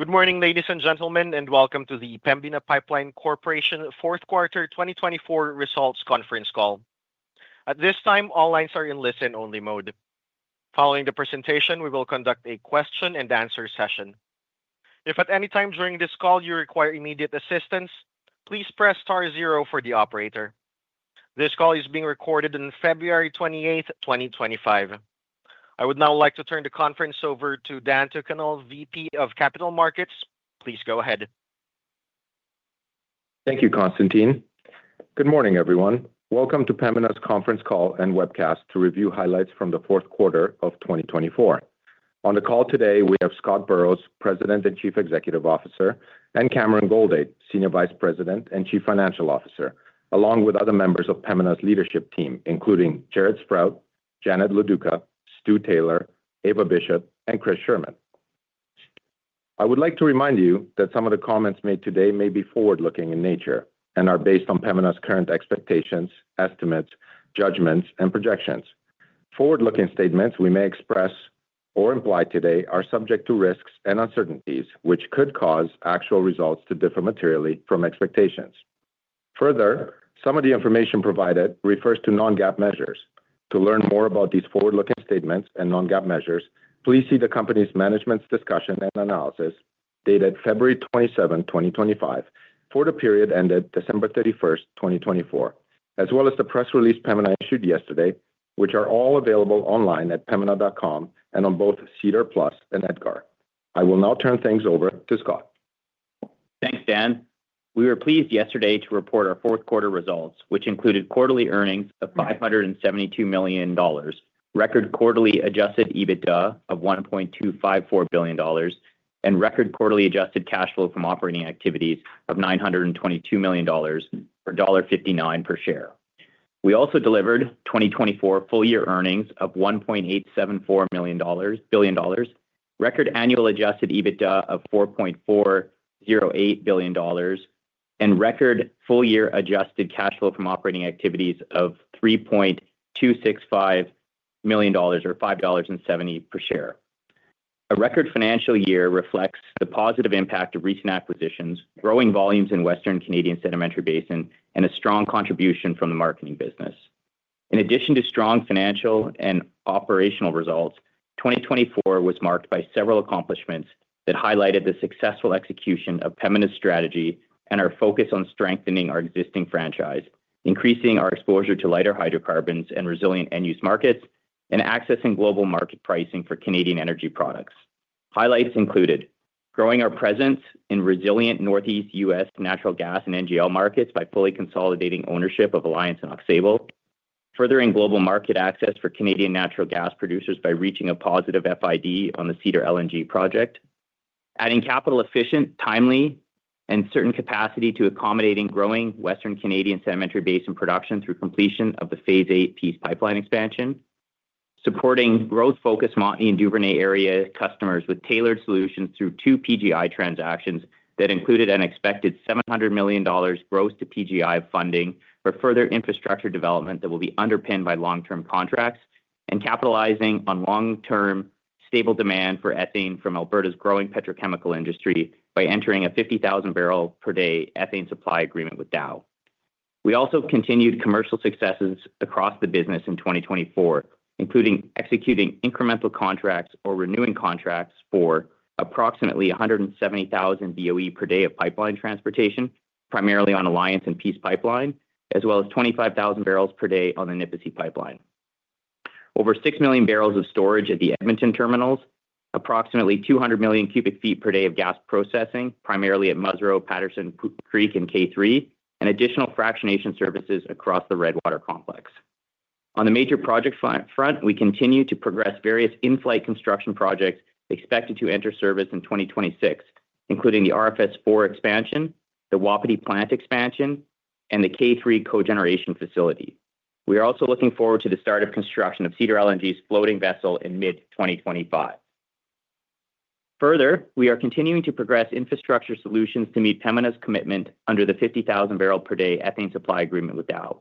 Good morning, ladies and gentlemen, and welcome to the Pembina Pipeline Corporation Fourth Quarter 2024 Results Conference Call. At this time, all lines are in listen-only mode. Following the presentation, we will conduct a question-and-answer session. If at any time during this call you require immediate assistance, please press star zero for the operator. This call is being recorded on February 28, 2025. I would now like to turn the conference over to Dan Tucunel, VP of Capital Markets. Please go ahead. Thank you, Konstantin. Good morning, everyone. Welcome to Pembina's conference call and webcast to review highlights from the fourth quarter of 2024. On the call today, we have Scott Burrows, President and Chief Executive Officer, and Cameron Goldade, Senior Vice President and Chief Financial Officer, along with other members of Pembina's leadership team, including Jaret Sprott, Janet Loduca, Stu Taylor, Eva Bishop, and Chris Scherman. I would like to remind you that some of the comments made today may be forward-looking in nature and are based on Pembina's current expectations, estimates, judgments, and projections. Forward-looking statements we may express or imply today are subject to risks and uncertainties, which could cause actual results to differ materially from expectations. Further, some of the information provided refers to non-GAAP measures. To learn more about these forward-looking statements and non-GAAP measures, please see the company's management's discussion and analysis dated February 27, 2025, for the period ended December 31, 2024, as well as the press release Pembina issued yesterday, which are all available online at pembina.com and on both SEDAR+ and EDGAR. I will now turn things over to Scott. Thanks, Dan. We were pleased yesterday to report our fourth quarter results, which included quarterly earnings of $572 million, record quarterly adjusted EBITDA of $1.254 billion, and record quarterly adjusted cash flow from operating activities of $922 million or $1.59 per share. We also delivered 2024 full-year earnings of $1.874 billion, record annual adjusted EBITDA of $4.408 billion, and record full-year adjusted cash flow from operating activities of $3.265 million or $5.70 per share. A record financial year reflects the positive impact of recent acquisitions, growing volumes in Western Canadian Sedimentary Basin, and a strong contribution from the marketing business. In addition to strong financial and operational results, 2024 was marked by several accomplishments that highlighted the successful execution of Pembina's strategy and our focus on strengthening our existing franchise, increasing our exposure to lighter hydrocarbons and resilient end-use markets, and accessing global market pricing for Canadian energy products. Highlights included growing our presence in resilient Northeast U.S. natural gas and NGL markets by fully consolidating ownership of Alliance and Aux Sable, furthering global market access for Canadian natural gas producers by reaching a positive FID on the Cedar LNG project, adding capital-efficient, timely, and certain capacity to accommodate growing Western Canadian Sedimentary Basin production through completion of the phase VIII Peace Pipeline expansion, supporting growth-focused Montney and Duvernay area customers with tailored solutions through two PGI transactions that included an expected $700 million gross-to-PGI funding for further infrastructure development that will be underpinned by long-term contracts, and capitalizing on long-term stable demand for ethane from Alberta's growing petrochemical industry by entering a 50,000-barrel-per-day ethane supply agreement with Dow. We also continued commercial successes across the business in 2024, including executing incremental contracts or renewing contracts for approximately 170,000 BOE per day of pipeline transportation, primarily on Alliance and Peace Pipeline, as well as 25,000 barrels per day on the Nipisi Pipeline. Over six million barrels of storage at the Edmonton terminals, approximately 200 million cubic feet per day of gas processing, primarily at Musreau, Patterson Creek, and K3, and additional fractionation services across the Redwater complex. On the major project front, we continue to progress various in-flight construction projects expected to enter service in 2026, including the RFS IV expansion, the Wapiti plant expansion, and the K3 cogeneration facility. We are also looking forward to the start of construction of Cedar LNG's floating vessel in mid-2025. Further, we are continuing to progress infrastructure solutions to meet Pembina's commitment under the 50,000-barrel-per-day ethane supply agreement with Dow.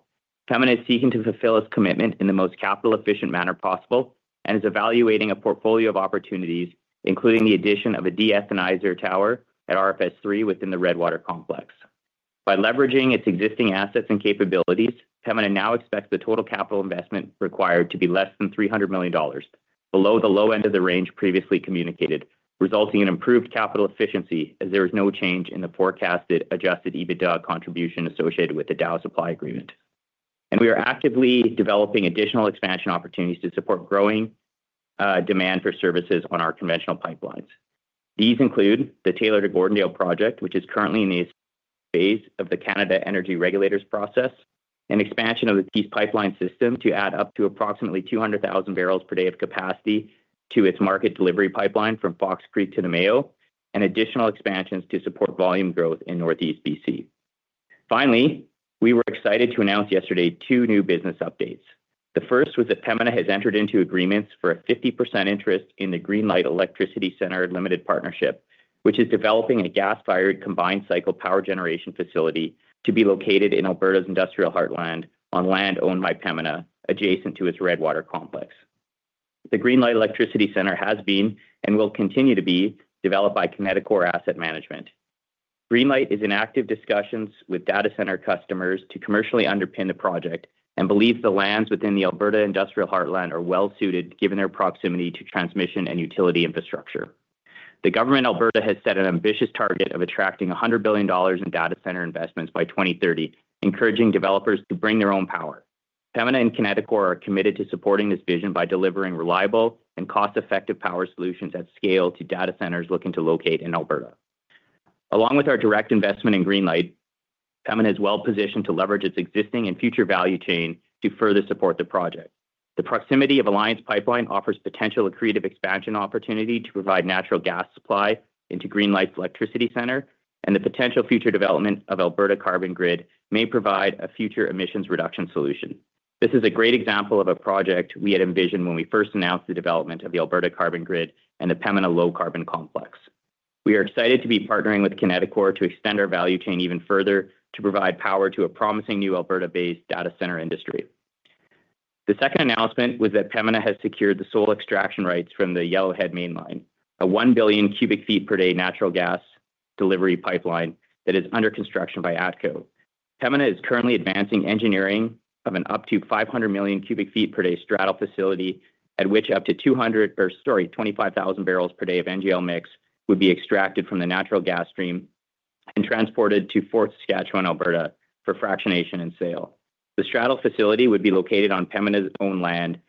Pembina is seeking to fulfill its commitment in the most capital-efficient manner possible and is evaluating a portfolio of opportunities, including the addition of a de-ethanizer tower at RFS III within the Redwater complex. By leveraging its existing assets and capabilities, Pembina now expects the total capital investment required to be less than $300 million, below the low end of the range previously communicated, resulting in improved capital efficiency as there is no change in the forecasted Adjusted EBITDA contribution associated with the Dow supply agreement. We are actively developing additional expansion opportunities to support growing demand for services on our conventional pipelines. These include the Taylor to Gordondale project, which is currently in the phase of the Canada Energy Regulator's process, an expansion of the Peace Pipeline system to add up to approximately 200,000 barrels per day of capacity to its market delivery pipeline from Fox Creek to the Namao, and additional expansions to support volume growth in Northeast BC. Finally, we were excited to announce yesterday two new business updates. The first was that Pembina has entered into agreements for a 50% interest in the Greenlight Electricity Centre Limited Partnership, which is developing a gas-fired combined cycle power generation facility to be located in Alberta's Industrial Heartland on land owned by Pembina, adjacent to its Redwater complex. The Greenlight Electricity Centre has been and will continue to be developed by Kineticor Asset Management. Greenlight is in active discussions with data center customers to commercially underpin the project and believes the lands within Alberta's Industrial Heartland are well-suited given their proximity to transmission and utility infrastructure. The government of Alberta has set an ambitious target of attracting $100 billion in data center investments by 2030, encouraging developers to bring their own power. Pembina and Kineticor are committed to supporting this vision by delivering reliable and cost-effective power solutions at scale to data centers looking to locate in Alberta. Along with our direct investment in Greenlight, Pembina is well-positioned to leverage its existing and future value chain to further support the project. The proximity of Alliance Pipeline offers potential accretive expansion opportunity to provide natural gas supply into Greenlight's electricity center, and the potential future development of Alberta Carbon Grid may provide a future emissions reduction solution. This is a great example of a project we had envisioned when we first announced the development of the Alberta Carbon Grid and the Pembina Low Carbon Complex. We are excited to be partnering with Kineticor to extend our value chain even further to provide power to a promising new Alberta-based data center industry. The second announcement was that Pembina has secured the sole extraction rights from the Yellowhead Mainline, a 1 billion cubic feet per day natural gas delivery pipeline that is under construction by ATCO. Pembina is currently advancing engineering of an up to 500 million cubic feet per day straddle facility at which up to 200 or, sorry, 25,000 barrels per day of NGL mix would be extracted from the natural gas stream and transported to Fort Saskatchewan, Alberta for fractionation and sale. The straddle facility would be located on Pembina's own land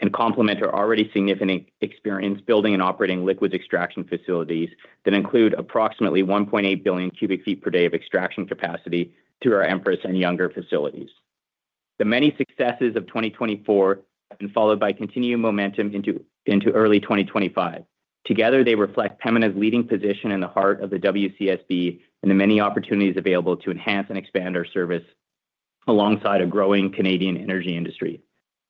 and complement our already significant experience building and operating liquids extraction facilities that include approximately 1.8 billion cubic feet per day of extraction capacity through our Empress and Younger facilities. The many successes of 2024 have been followed by continued momentum into early 2025. Together, they reflect Pembina's leading position in the heart of the WCSB and the many opportunities available to enhance and expand our service alongside a growing Canadian energy industry.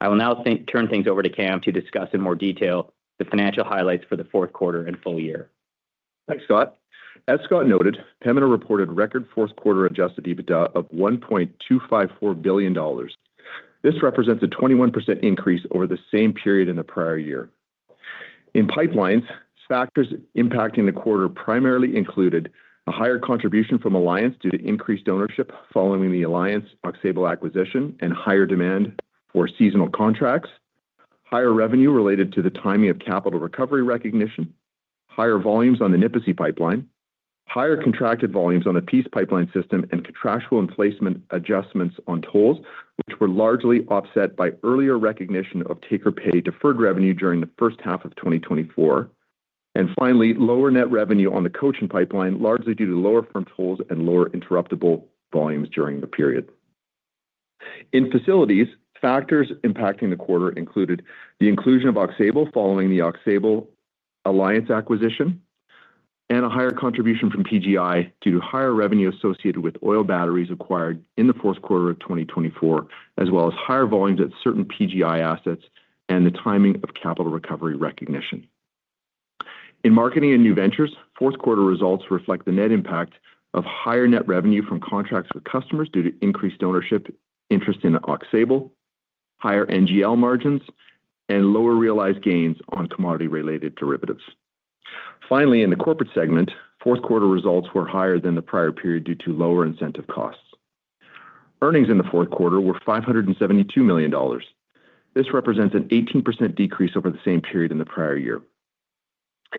I will now turn things over to Cam to discuss in more detail the financial highlights for the fourth quarter and full year. Thanks, Scott. As Scott noted, Pembina reported record fourth quarter Adjusted EBITDA of 1.254 billion dollars. This represents a 21% increase over the same period in the prior year. In pipelines, factors impacting the quarter primarily included a higher contribution from Alliance due to increased ownership following the Alliance Aux Sable acquisition and higher demand for seasonal contracts, higher revenue related to the timing of capital recovery recognition, higher volumes on the Nipisi Pipeline, higher contracted volumes on the Peace Pipeline system, and contractual emplacement adjustments on tolls, which were largely offset by earlier recognition of take-or-pay deferred revenue during the first half of 2024, and finally, lower net revenue on the Cochin Pipeline, largely due to lower firm tolls and lower interruptible volumes during the period. In facilities, factors impacting the quarter included the inclusion of Oxable following the Oxable Alliance acquisition and a higher contribution from PGI due to higher revenue associated with oil batteries acquired in the fourth quarter of 2024, as well as higher volumes at certain PGI assets and the timing of capital recovery recognition. In marketing and new ventures, fourth quarter results reflect the net impact of higher net revenue from contracts with customers due to increased ownership interest in Oxable, higher NGL margins, and lower realized gains on commodity-related derivatives. Finally, in the corporate segment, fourth quarter results were higher than the prior period due to lower incentive costs. Earnings in the fourth quarter were 572 million dollars. This represents an 18% decrease over the same period in the prior year.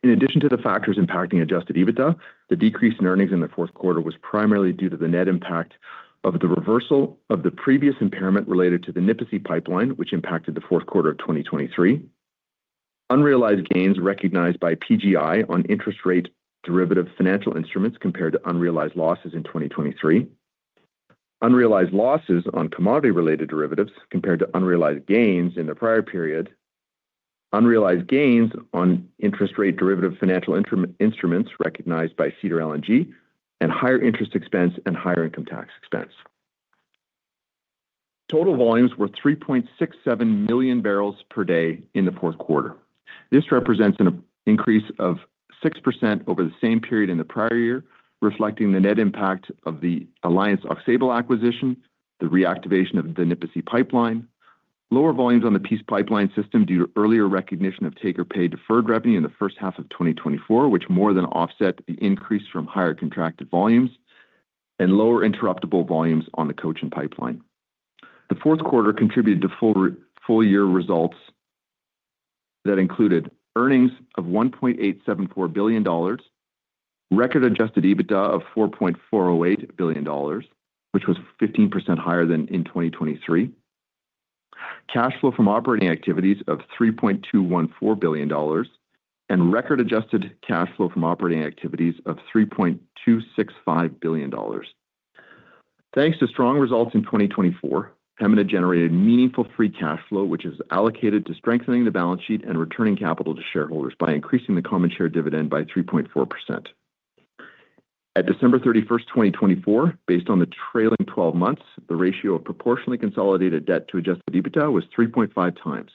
In addition to the factors impacting Adjusted EBITDA, the decrease in earnings in the fourth quarter was primarily due to the net impact of the reversal of the previous impairment related to the Nipisi Pipeline, which impacted the fourth quarter of 2023, unrealized gains recognized by PGI on interest rate derivative financial instruments compared to unrealized losses in 2023, unrealized losses on commodity-related derivatives compared to unrealized gains in the prior period, unrealized gains on interest rate derivative financial instruments recognized by Cedar LNG, and higher interest expense and higher income tax expense. Total volumes were 3.67 million barrels per day in the fourth quarter. This represents an increase of 6% over the same period in the prior year, reflecting the net impact of the Alliance Aux Sable acquisition, the reactivation of the Nipisi Pipeline, lower volumes on the Peace Pipeline system due to earlier recognition of take-or-pay deferred revenue in the first half of 2024, which more than offset the increase from higher contracted volumes and lower interruptible volumes on the Cochin Pipeline. The fourth quarter contributed to full-year results that included earnings of 1.874 billion dollars, record adjusted EBITDA of 4.408 billion dollars, which was 15% higher than in 2023, cash flow from operating activities of 3.214 billion dollars, and record adjusted cash flow from operating activities of 3.265 billion dollars. Thanks to strong results in 2024, Pembina generated meaningful free cash flow, which is allocated to strengthening the balance sheet and returning capital to shareholders by increasing the common share dividend by 3.4%. At December 31st, 2024, based on the trailing 12 months, the ratio of proportionally consolidated debt to Adjusted EBITDA was 3.5 times.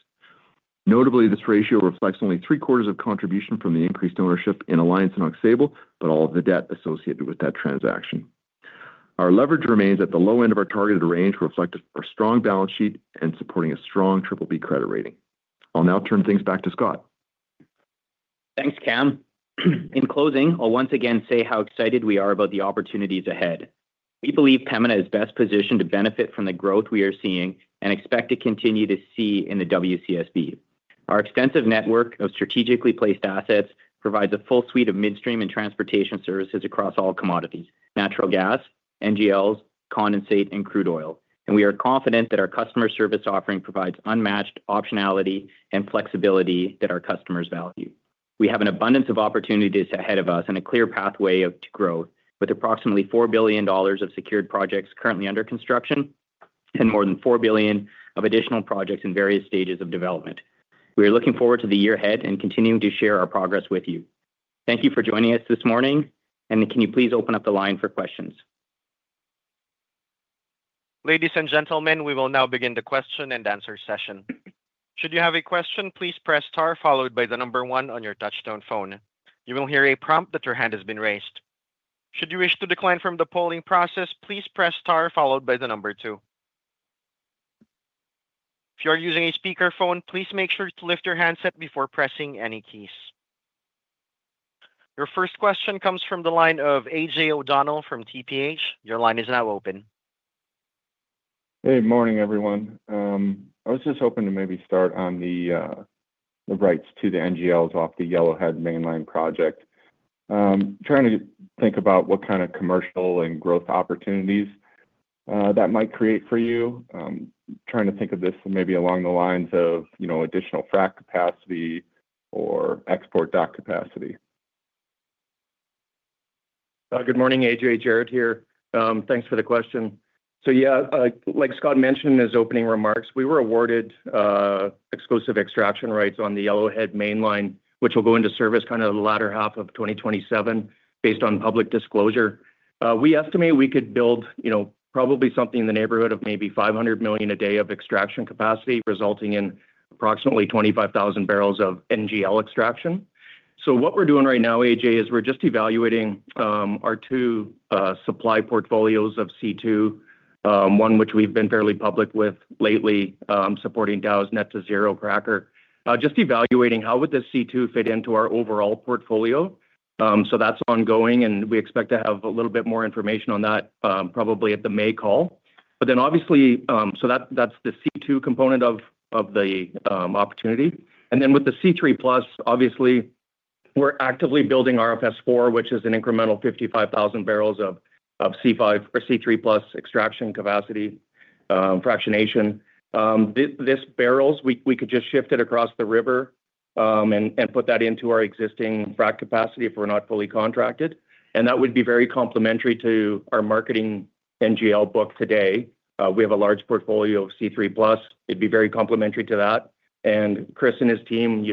Notably, this ratio reflects only three-quarters of contribution from the increased ownership in Alliance and Oxable, but all of the debt associated with that transaction. Our leverage remains at the low end of our targeted range, reflective of our strong balance sheet and supporting a strong BBB credit rating. I'll now turn things back to Scott. Thanks, Cam. In closing, I'll once again say how excited we are about the opportunities ahead. We believe Pembina is best positioned to benefit from the growth we are seeing and expect to continue to see in the WCSB. Our extensive network of strategically placed assets provides a full suite of midstream and transportation services across all commodities: natural gas, NGLs, condensate, and crude oil. We are confident that our customer service offering provides unmatched optionality and flexibility that our customers value. We have an abundance of opportunities ahead of us and a clear pathway to growth, with approximately 4 billion dollars of secured projects currently under construction and more than 4 billion of additional projects in various stages of development. We are looking forward to the year ahead and continuing to share our progress with you. Thank you for joining us this morning, and can you please open up the line for questions? Ladies and gentlemen, we will now begin the question and answer session. Should you have a question, please press star, followed by the number one on your touch-tone phone. You will hear a prompt that your hand has been raised. Should you wish to decline from the polling process, please press star, followed by the number two. If you are using a speakerphone, please make sure to lift your handset before pressing any keys. Your first question comes from the line of AJ O'Donnell from TPH. Your line is now open. Hey, morning, everyone. I was just hoping to maybe start on the rights to the NGLs off the Yellowhead Mainline project. Trying to think about what kind of commercial and growth opportunities that might create for you. Trying to think of this maybe along the lines of additional frac capacity or export dock capacity. Good morning, AJ. Jaret here. Thanks for the question. So yeah, like Scott mentioned in his opening remarks, we were awarded exclusive extraction rights on the Yellowhead Mainline, which will go into service kind of the latter half of 2027 based on public disclosure. We estimate we could build probably something in the neighborhood of maybe $500 million a day of extraction capacity, resulting in approximately 25,000 barrels of NGL extraction. So what we're doing right now, AJ, is we're just evaluating our two supply portfolios of C2, one which we've been fairly public with lately, supporting Dow's net-zero cracker. Just evaluating how would this C2 fit into our overall portfolio. So that's ongoing, and we expect to have a little bit more information on that probably at the May call. But then obviously, so that's the C2 component of the opportunity. And then with the C3+, obviously, we're actively building RFS IV, which is an incremental 55,000 barrels of C5 or C3+ extraction capacity fractionation. Those barrels, we could just shift it across the river and put that into our existing frac capacity if we're not fully contracted. And that would be very complementary to our marketing NGL book today. We have a large portfolio of C3+. It'd be very complementary to that. And Chris and his team,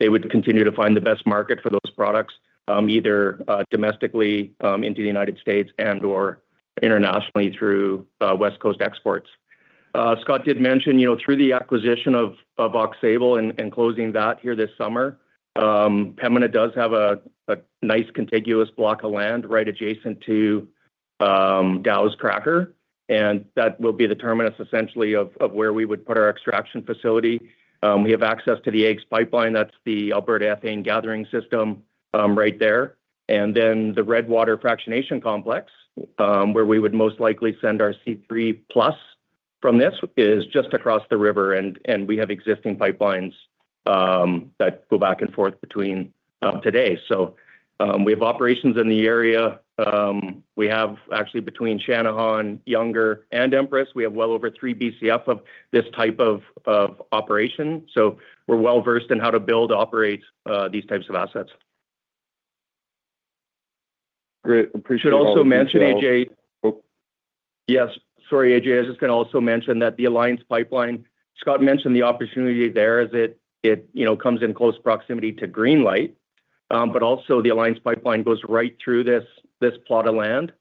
they would continue to find the best market for those products, either domestically into the United States and/or internationally through West Coast exports. Scott did mention through the acquisition of Aux Sable and closing that here this summer, Pembina does have a nice contiguous block of land right adjacent to Dow's cracker. And that will be the terminus essentially of where we would put our extraction facility. We have access to the AEGS Pipeline, that's the Alberta ethane gathering system right there, and then the Redwater fractionation complex, where we would most likely send our C3+ from this, is just across the river, and we have existing pipelines that go back and forth between them today, so we have operations in the area. We have actually, between Cheecham, Younger, and Empress, well over three BCF of this type of operation, so we're well versed in how to build, operate these types of assets. Great. Appreciate it. I should also mention, AJ, yes, sorry, AJ. I was just going to also mention that the Alliance Pipeline, Scott mentioned the opportunity there as it comes in close proximity to Greenlight, but also the Alliance Pipeline goes right through this plot of land.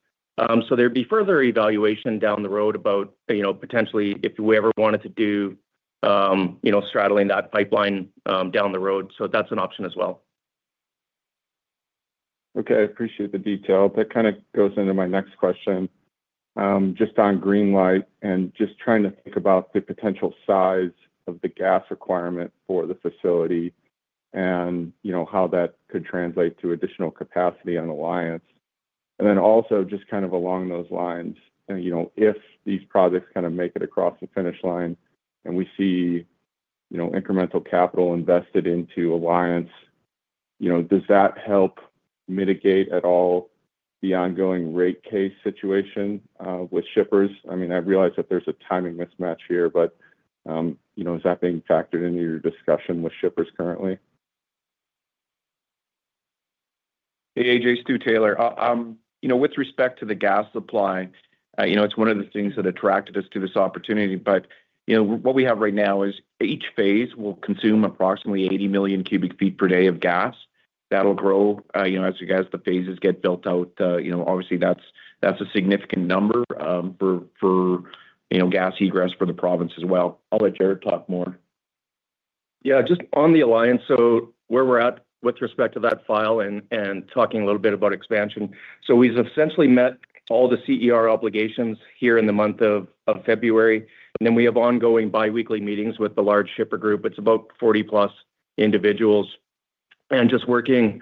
So there'd be further evaluation down the road about potentially if we ever wanted to do straddling that pipeline down the road. So that's an option as well. Okay. I appreciate the detail. That kind of goes into my next question. Just on Greenlight and just trying to think about the potential size of the gas requirement for the facility and how that could translate to additional capacity on Alliance. And then also just kind of along those lines, if these projects kind of make it across the finish line and we see incremental capital invested into Alliance, does that help mitigate at all the ongoing rate case situation with shippers? I mean, I realize that there's a timing mismatch here, but is that being factored into your discussion with shippers currently? Hey, AJ. Stu Taylor. With respect to the gas supply, it's one of the things that attracted us to this opportunity but what we have right now is each phase will consume approximately 80 million cubic feet per day of gas. That'll grow as the phases get built out. Obviously, that's a significant number for gas egress for the province as well. I'll let Jaret talk more. Yeah, just on the Alliance so where we're at with respect to that file and talking a little bit about expansion so we've essentially met all the CER obligations here in the month of February and then we have ongoing biweekly meetings with the large shipper group. It's about 40-plus individuals and just working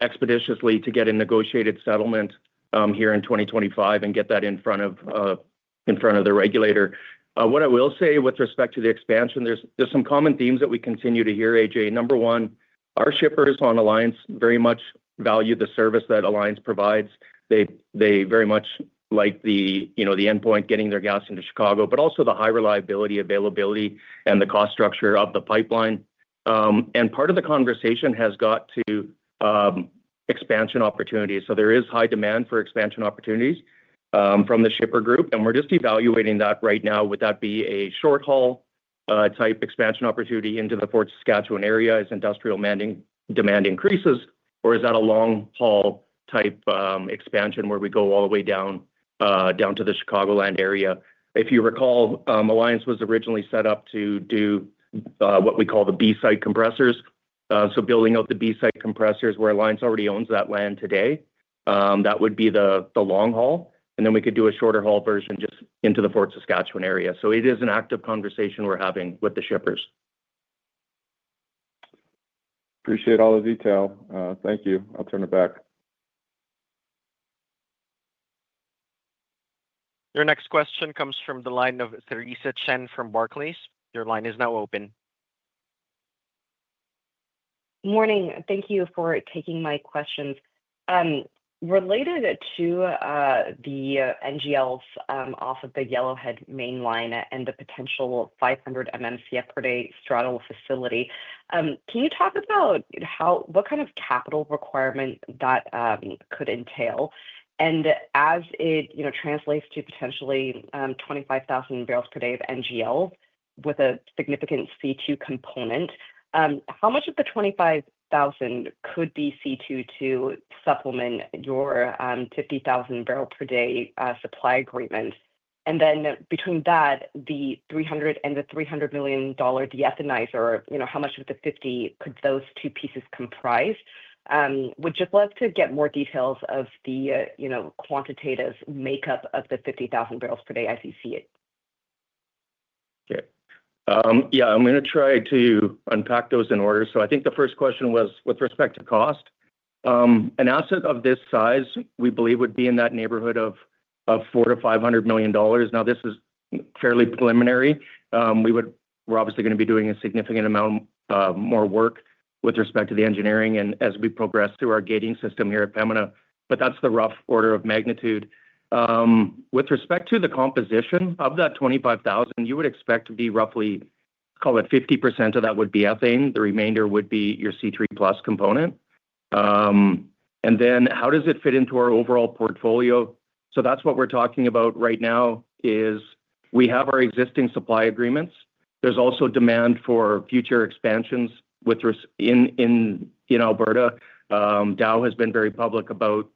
expeditiously to get a negotiated settlement here in 2025 and get that in front of the regulator. What I will say with respect to the expansion, there's some common themes that we continue to hear, AJ. Number one, our shippers on Alliance very much value the service that Alliance provides. They very much like the endpoint, getting their gas into Chicago, but also the high reliability, availability, and the cost structure of the pipeline. And part of the conversation has got to expansion opportunities. So there is high demand for expansion opportunities from the shipper group. And we're just evaluating that right now. Would that be a short-haul type expansion opportunity into the Fort Saskatchewan area as industrial demand increases, or is that a long-haul type expansion where we go all the way down to the Chicagoland area? If you recall, Alliance was originally set up to do what we call the B-site compressors. So building out the B-site compressors where Alliance already owns that land today, that would be the long haul. And then we could do a shorter haul version just into the Fort Saskatchewan area. So it is an active conversation we're having with the shippers. Appreciate all the detail. Thank you. I'll turn it back. Your next question comes from the line of Theresa Chen from Barclays. Your line is now open. Good morning. Thank you for taking my questions. Related to the NGLs off of the Yellowhead Mainline and the potential 500 MMCF per day straddle facility, can you talk about what kind of capital requirement that could entail? And as it translates to potentially 25,000 barrels per day of NGLs with a significant C2 component, how much of the 25,000 could be C2 to supplement your 50,000 barrel per day supply agreement? And then between that, the 300 and the $300 million de-ethanizer, how much of the 50 could those two pieces comprise? Would just love to get more details of the quantitative makeup of the 50,000 barrels per day as you see it. Okay. Yeah, I'm going to try to unpack those in order. I think the first question was with respect to cost. An asset of this size, we believe, would be in that neighborhood of $400 million-$500 million. Now, this is fairly preliminary. We're obviously going to be doing a significant amount more work with respect to the engineering and as we progress through our gating system here at Pembina. But that's the rough order of magnitude. With respect to the composition of that 25,000, you would expect to be roughly, call it 50% of that would be ethane. The remainder would be your C3+ component. And then how does it fit into our overall portfolio? That's what we're talking about right now is we have our existing supply agreements. There's also demand for future expansions in Alberta. Dow has been very public about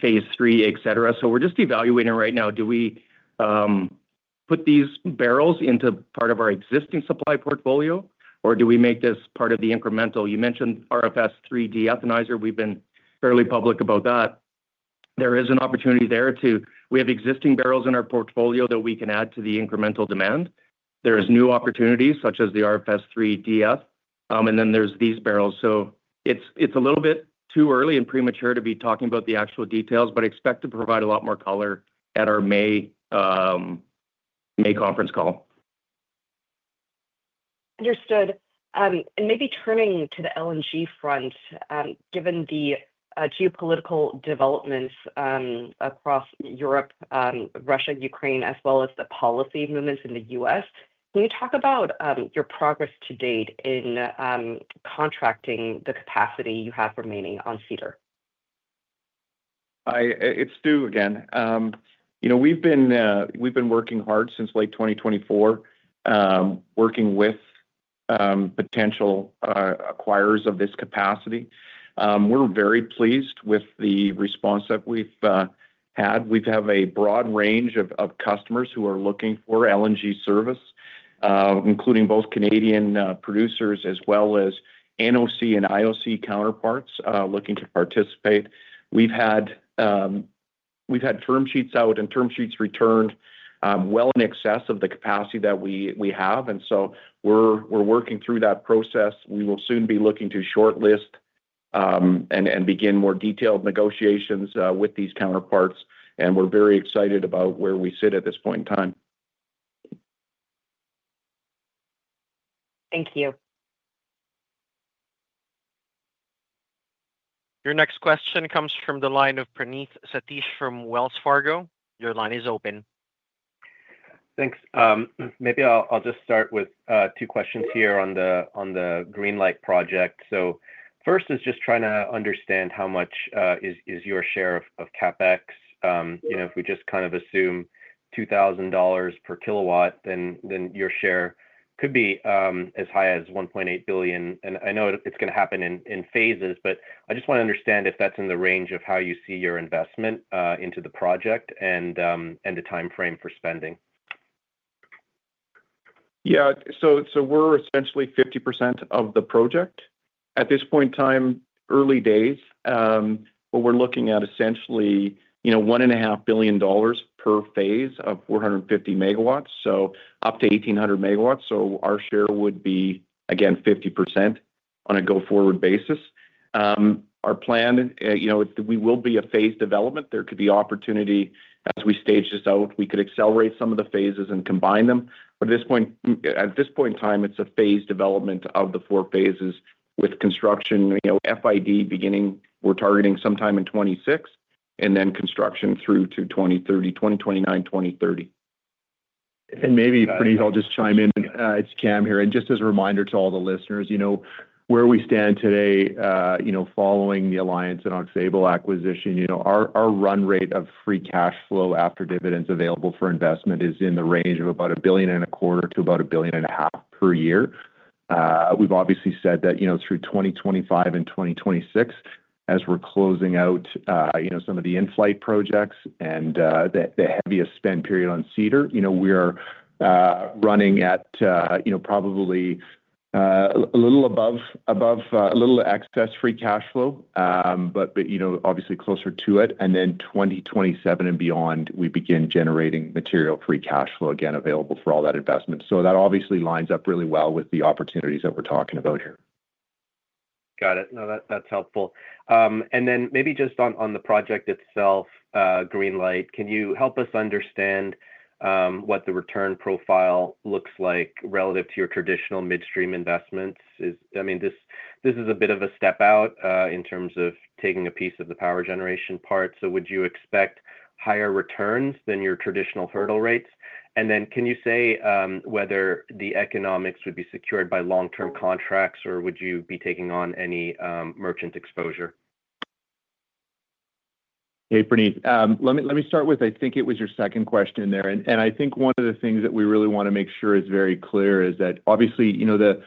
phase III, etc. So we're just evaluating right now. Do we put these barrels into part of our existing supply portfolio, or do we make this part of the incremental? You mentioned RFS III de-ethanizer. We've been fairly public about that. There is an opportunity there. We have existing barrels in our portfolio that we can add to the incremental demand. There are new opportunities such as the RFS III D-E, and then there's these barrels. So it's a little bit too early and premature to be talking about the actual details, but expect to provide a lot more color at our May conference call. Understood. And maybe turning to the LNG front, given the geopolitical developments across Europe, Russia, Ukraine, as well as the policy movements in the U.S., can you talk about your progress to date in contracting the capacity you have remaining on Cedar? It's Stu again. We've been working hard since late 2024, working with potential acquirers of this capacity. We're very pleased with the response that we've had. We have a broad range of customers who are looking for LNG service, including both Canadian producers as well as NOC and IOC counterparts looking to participate. We've had term sheets out, and term sheets returned well in excess of the capacity that we have, and so we're working through that process. We will soon be looking to shortlist and begin more detailed negotiations with these counterparts, and we're very excited about where we sit at this point in time. Thank you. Your next question comes from the line of Praneeth Satish from Wells Fargo. Your line is open. Thanks. Maybe I'll just start with two questions here on the Greenlight project. So first is just trying to understand how much is your share of CapEx. If we just kind of assume $2,000 per kilowatt, then your share could be as high as $1.8 billion. And I know it's going to happen in phases, but I just want to understand if that's in the range of how you see your investment into the project and the timeframe for spending. Yeah. So we're essentially 50% of the project. At this point in time, early days, but we're looking at essentially $1.5 billion per phase of 450 megawatts, so up to 1,800 megawatts. So our share would be, again, 50% on a go-forward basis. Our plan, we will be a phased development. There could be opportunity as we stage this out. We could accelerate some of the phases and combine them. But at this point in time, it's a phased development of the four phases with construction, FID beginning, we're targeting sometime in 2026, and then construction through to 2030, 2029, 2030. Maybe, Praneeth, I'll just chime in. It's Cam here. Just as a reminder to all the listeners, where we stand today following the Alliance and Aux Sable acquisition, our run rate of free cash flow after dividends available for investment is in the range of about 1.25 billion to 1.5 billion per year. We've obviously said that through 2025 and 2026, as we're closing out some of the in-flight projects and the heaviest spend period on Cedar, we are running at probably a little above a little excess free cash flow, but obviously closer to it. Then 2027 and beyond, we begin generating material free cash flow again available for all that investment. So that obviously lines up really well with the opportunities that we're talking about here. Got it. No, that's helpful. And then maybe just on the project itself, Greenlight, can you help us understand what the return profile looks like relative to your traditional midstream investments? I mean, this is a bit of a step out in terms of taking a piece of the power generation part. So would you expect higher returns than your traditional hurdle rates? And then can you say whether the economics would be secured by long-term contracts, or would you be taking on any merchant exposure? Hey, Praneeth. Let me start with, I think it was your second question there. And I think one of the things that we really want to make sure is very clear is that obviously the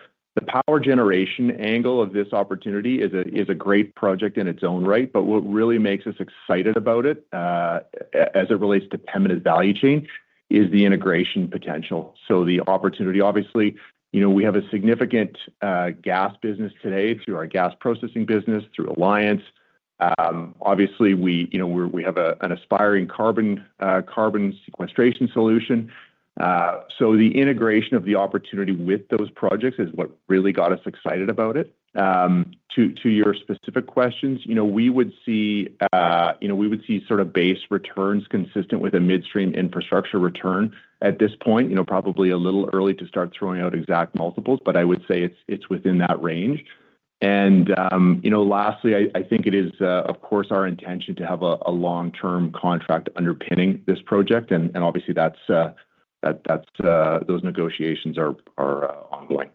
power generation angle of this opportunity is a great project in its own right. But what really makes us excited about it as it relates to Pembina's value chain is the integration potential. So the opportunity, obviously, we have a significant gas business today through our gas processing business, through Alliance. Obviously, we have an aspiring carbon sequestration solution. So the integration of the opportunity with those projects is what really got us excited about it. To your specific questions, we would see sort of base returns consistent with a midstream infrastructure return at this point, probably a little early to start throwing out exact multiples, but I would say it's within that range. And lastly, I think it is, of course, our intention to have a long-term contract underpinning this project. And obviously, those negotiations are ongoing.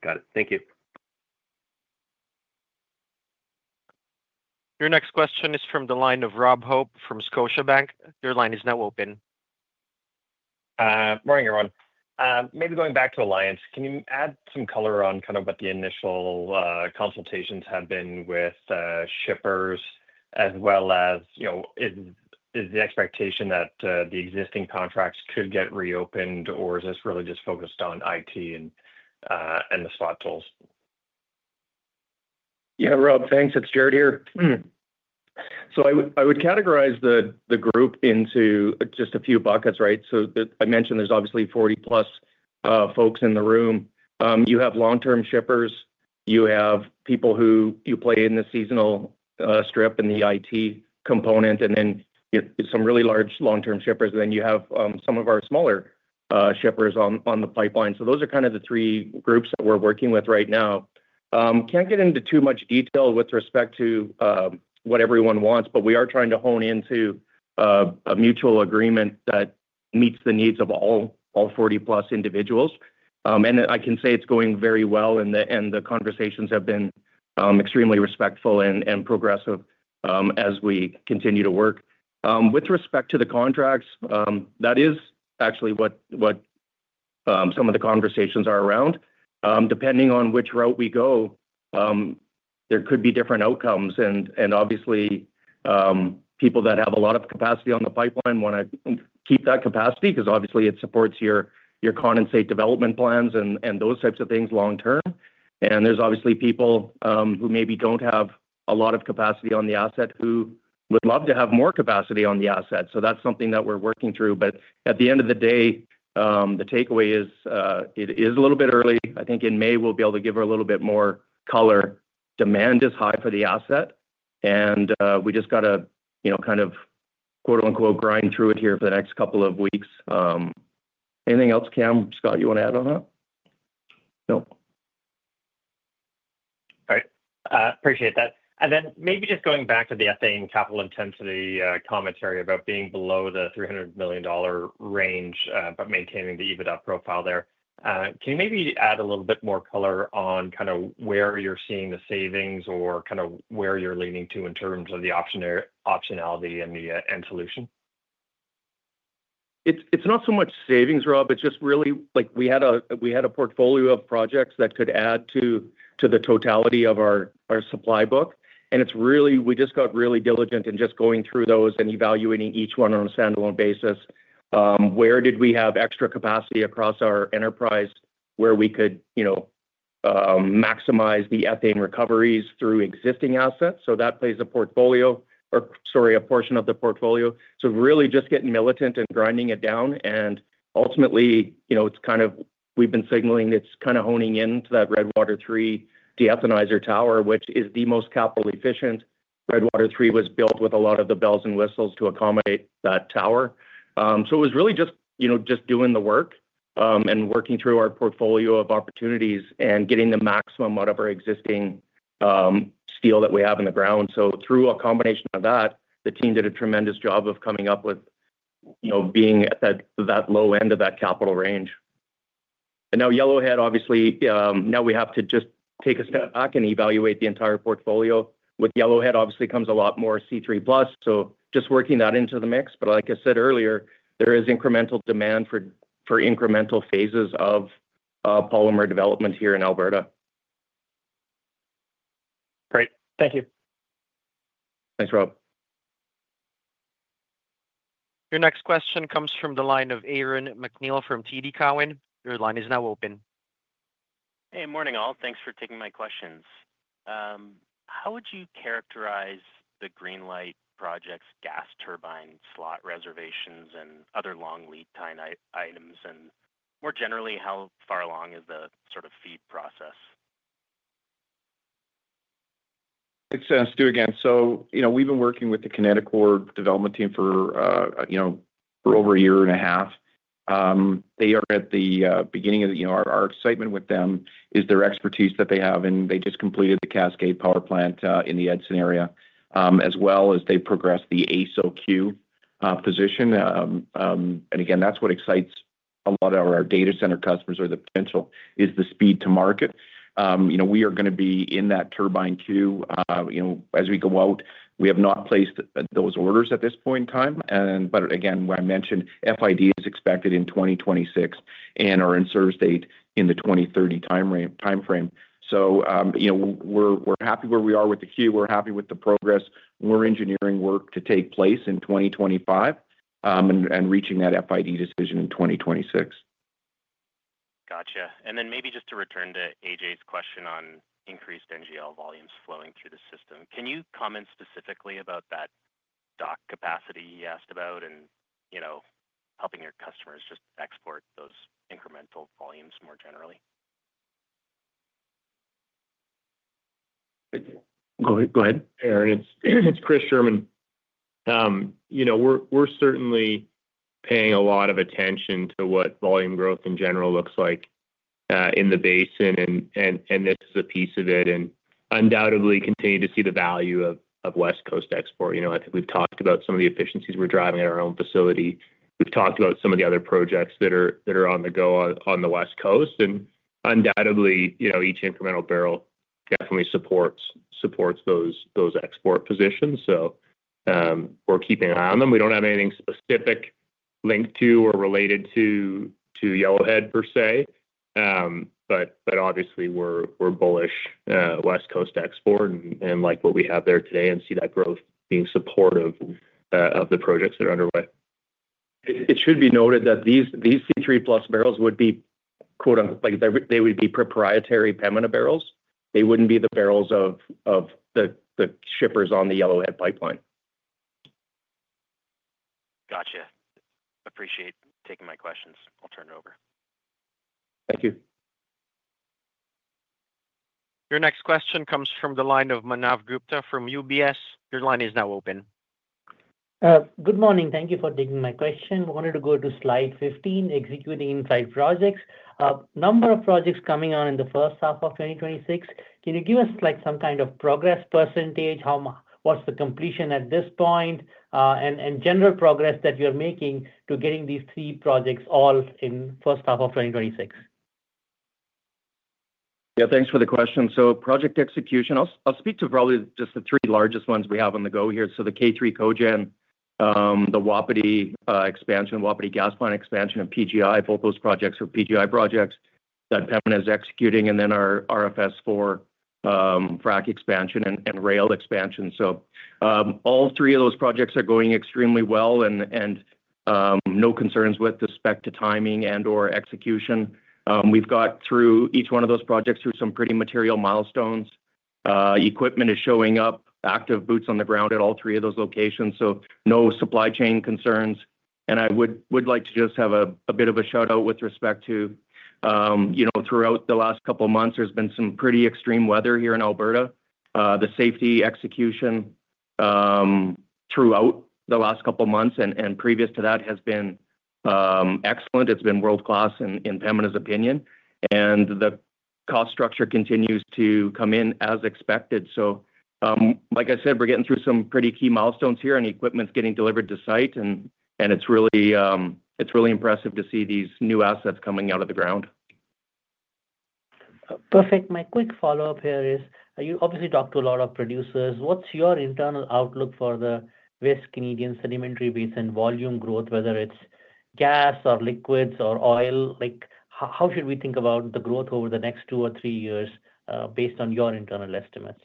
Got it. Thank you. Your next question is from the line of Rob Hope from Scotiabank. Your line is now open. Morning, everyone. Maybe going back to Alliance, can you add some color on kind of what the initial consultations have been with shippers, as well as is the expectation that the existing contracts could get reopened, or is this really just focused on IT and the Spot tools? Yeah, Rob, thanks. It's Jaret here. So I would categorize the group into just a few buckets, right? So I mentioned there's obviously 40-plus folks in the room. You have long-term shippers. You have people who play in the seasonal strip and the IT component, and then some really large long-term shippers. And then you have some of our smaller shippers on the pipeline. So those are kind of the three groups that we're working with right now. Can't get into too much detail with respect to what everyone wants, but we are trying to hone into a mutual agreement that meets the needs of all 40-plus individuals. And I can say it's going very well, and the conversations have been extremely respectful and progressive as we continue to work. With respect to the contracts, that is actually what some of the conversations are around. Depending on which route we go, there could be different outcomes. And obviously, people that have a lot of capacity on the pipeline want to keep that capacity because obviously it supports your condensate development plans and those types of things long-term. And there's obviously people who maybe don't have a lot of capacity on the asset who would love to have more capacity on the asset. So that's something that we're working through. But at the end of the day, the takeaway is it is a little bit early. I think in May, we'll be able to give a little bit more color. Demand is high for the asset, and we just got to kind of "grind through it" here for the next couple of weeks. Anything else, Cam? Scott, you want to add on that? No? All right. Appreciate that. And then maybe just going back to the ethane capital in terms of the commentary about being below the $300 million range, but maintaining the EBITDA profile there. Can you maybe add a little bit more color on kind of where you're seeing the savings or kind of where you're leaning to in terms of the optionality and solution? It's not so much savings, Rob. It's just really we had a portfolio of projects that could add to the totality of our supply book. We just got really diligent in just going through those and evaluating each one on a standalone basis. Where did we have extra capacity across our enterprise where we could maximize the ethane recoveries through existing assets? So that plays a portfolio or, sorry, a portion of the portfolio. So really just getting militant and grinding it down. Ultimately, it's kind of we've been signaling it's kind of honing into that Redwater 3 de-ethanizer tower, which is the most capital-efficient. Redwater 3 was built with a lot of the bells and whistles to accommodate that tower. So it was really just doing the work and working through our portfolio of opportunities and getting the maximum out of our existing steel that we have in the ground. So through a combination of that, the team did a tremendous job of coming up with being at that low end of that capital range. And now Yellowhead, obviously, now we have to just take a step back and evaluate the entire portfolio. With Yellowhead, obviously comes a lot more C3 Plus. So just working that into the mix. But like I said earlier, there is incremental demand for incremental phases of polymer development here in Alberta. Great. Thank you. Thanks, Rob. Your next question comes from the line of Aaron MacNeil from TD Cowen. Your line is now open. Hey, morning all. Thanks for taking my questions. How would you characterize the Greenlight project's gas turbine slot reservations and other long lead time items? And more generally, how far along is the sort of feed process? It's Stu again, so we've been working with the Kineticor development team for over a year and a half. They are at the beginning of our excitement with them is their expertise that they have, and they just completed the Cascade Power Plant in the Edson area, as well as they progressed the AECO position, and again, that's what excites a lot of our data center customers or the potential is the speed to market. We are going to be in that turbine queue as we go out. We have not placed those orders at this point in time, but again, I mentioned FID is expected in 2026 and our in-service date in the 2030 timeframe, so we're happy where we are with the queue. We're happy with the progress. More engineering work to take place in 2025 and reaching that FID decision in 2026. Gotcha. And then maybe just to return to AJ's question on increased NGL volumes flowing through the system, can you comment specifically about that dock capacity he asked about and helping your customers just export those incremental volumes more generally? Go ahead, Aaron. It's Chris Scherman. We're certainly paying a lot of attention to what volume growth in general looks like in the basin, and this is a piece of it, and undoubtedly continue to see the value of West Coast export. I think we've talked about some of the efficiencies we're driving at our own facility. We've talked about some of the other projects that are on the go on the West Coast. And undoubtedly, each incremental barrel definitely supports those export positions. So we're keeping an eye on them. We don't have anything specific linked to or related to Yellowhead per se, but obviously, we're bullish West Coast export and like what we have there today and see that growth being supportive of the projects that are underway. It should be noted that these C3+ barrels would be "they would be proprietary Pembina barrels." They wouldn't be the barrels of the shippers on the Yellowhead Pipeline. Gotcha. Appreciate taking my questions. I'll turn it over. Thank you. Your next question comes from the line of Manav Gupta from UBS. Your line is now open. Good morning. Thank you for taking my question. I wanted to go to slide 15, executing inside projects. Number of projects coming on in the first half of 2026. Can you give us some kind of progress percentage? What's the completion at this point and general progress that you're making to getting these three projects all in the first half of 2026? Yeah, thanks for the question. So project execution, I'll speak to probably just the three largest ones we have on the go here. So the K3 Cogeneration, the Wapiti expansion, Wapiti Gas Plant expansion, and PGI. Both those projects are PGI projects that Pembina is executing, and then our RFS IV frac expansion and rail expansion. So all three of those projects are going extremely well and no concerns with respect to timing and/or execution. We've got through each one of those projects, through some pretty material milestones. Equipment is showing up, active boots on the ground at all three of those locations. So no supply chain concerns, and I would like to just have a bit of a shout-out with respect to throughout the last couple of months, there's been some pretty extreme weather here in Alberta. The safety execution throughout the last couple of months and previous to that has been excellent. It's been world-class in Pembina's opinion. And the cost structure continues to come in as expected. So like I said, we're getting through some pretty key milestones here and equipment's getting delivered to site. And it's really impressive to see these new assets coming out of the ground. Perfect. My quick follow-up here is, you obviously talk to a lot of producers. What's your internal outlook for the Western Canadian Sedimentary Basin volume growth, whether it's gas or liquids or oil? How should we think about the growth over the next two or three years based on your internal estimates?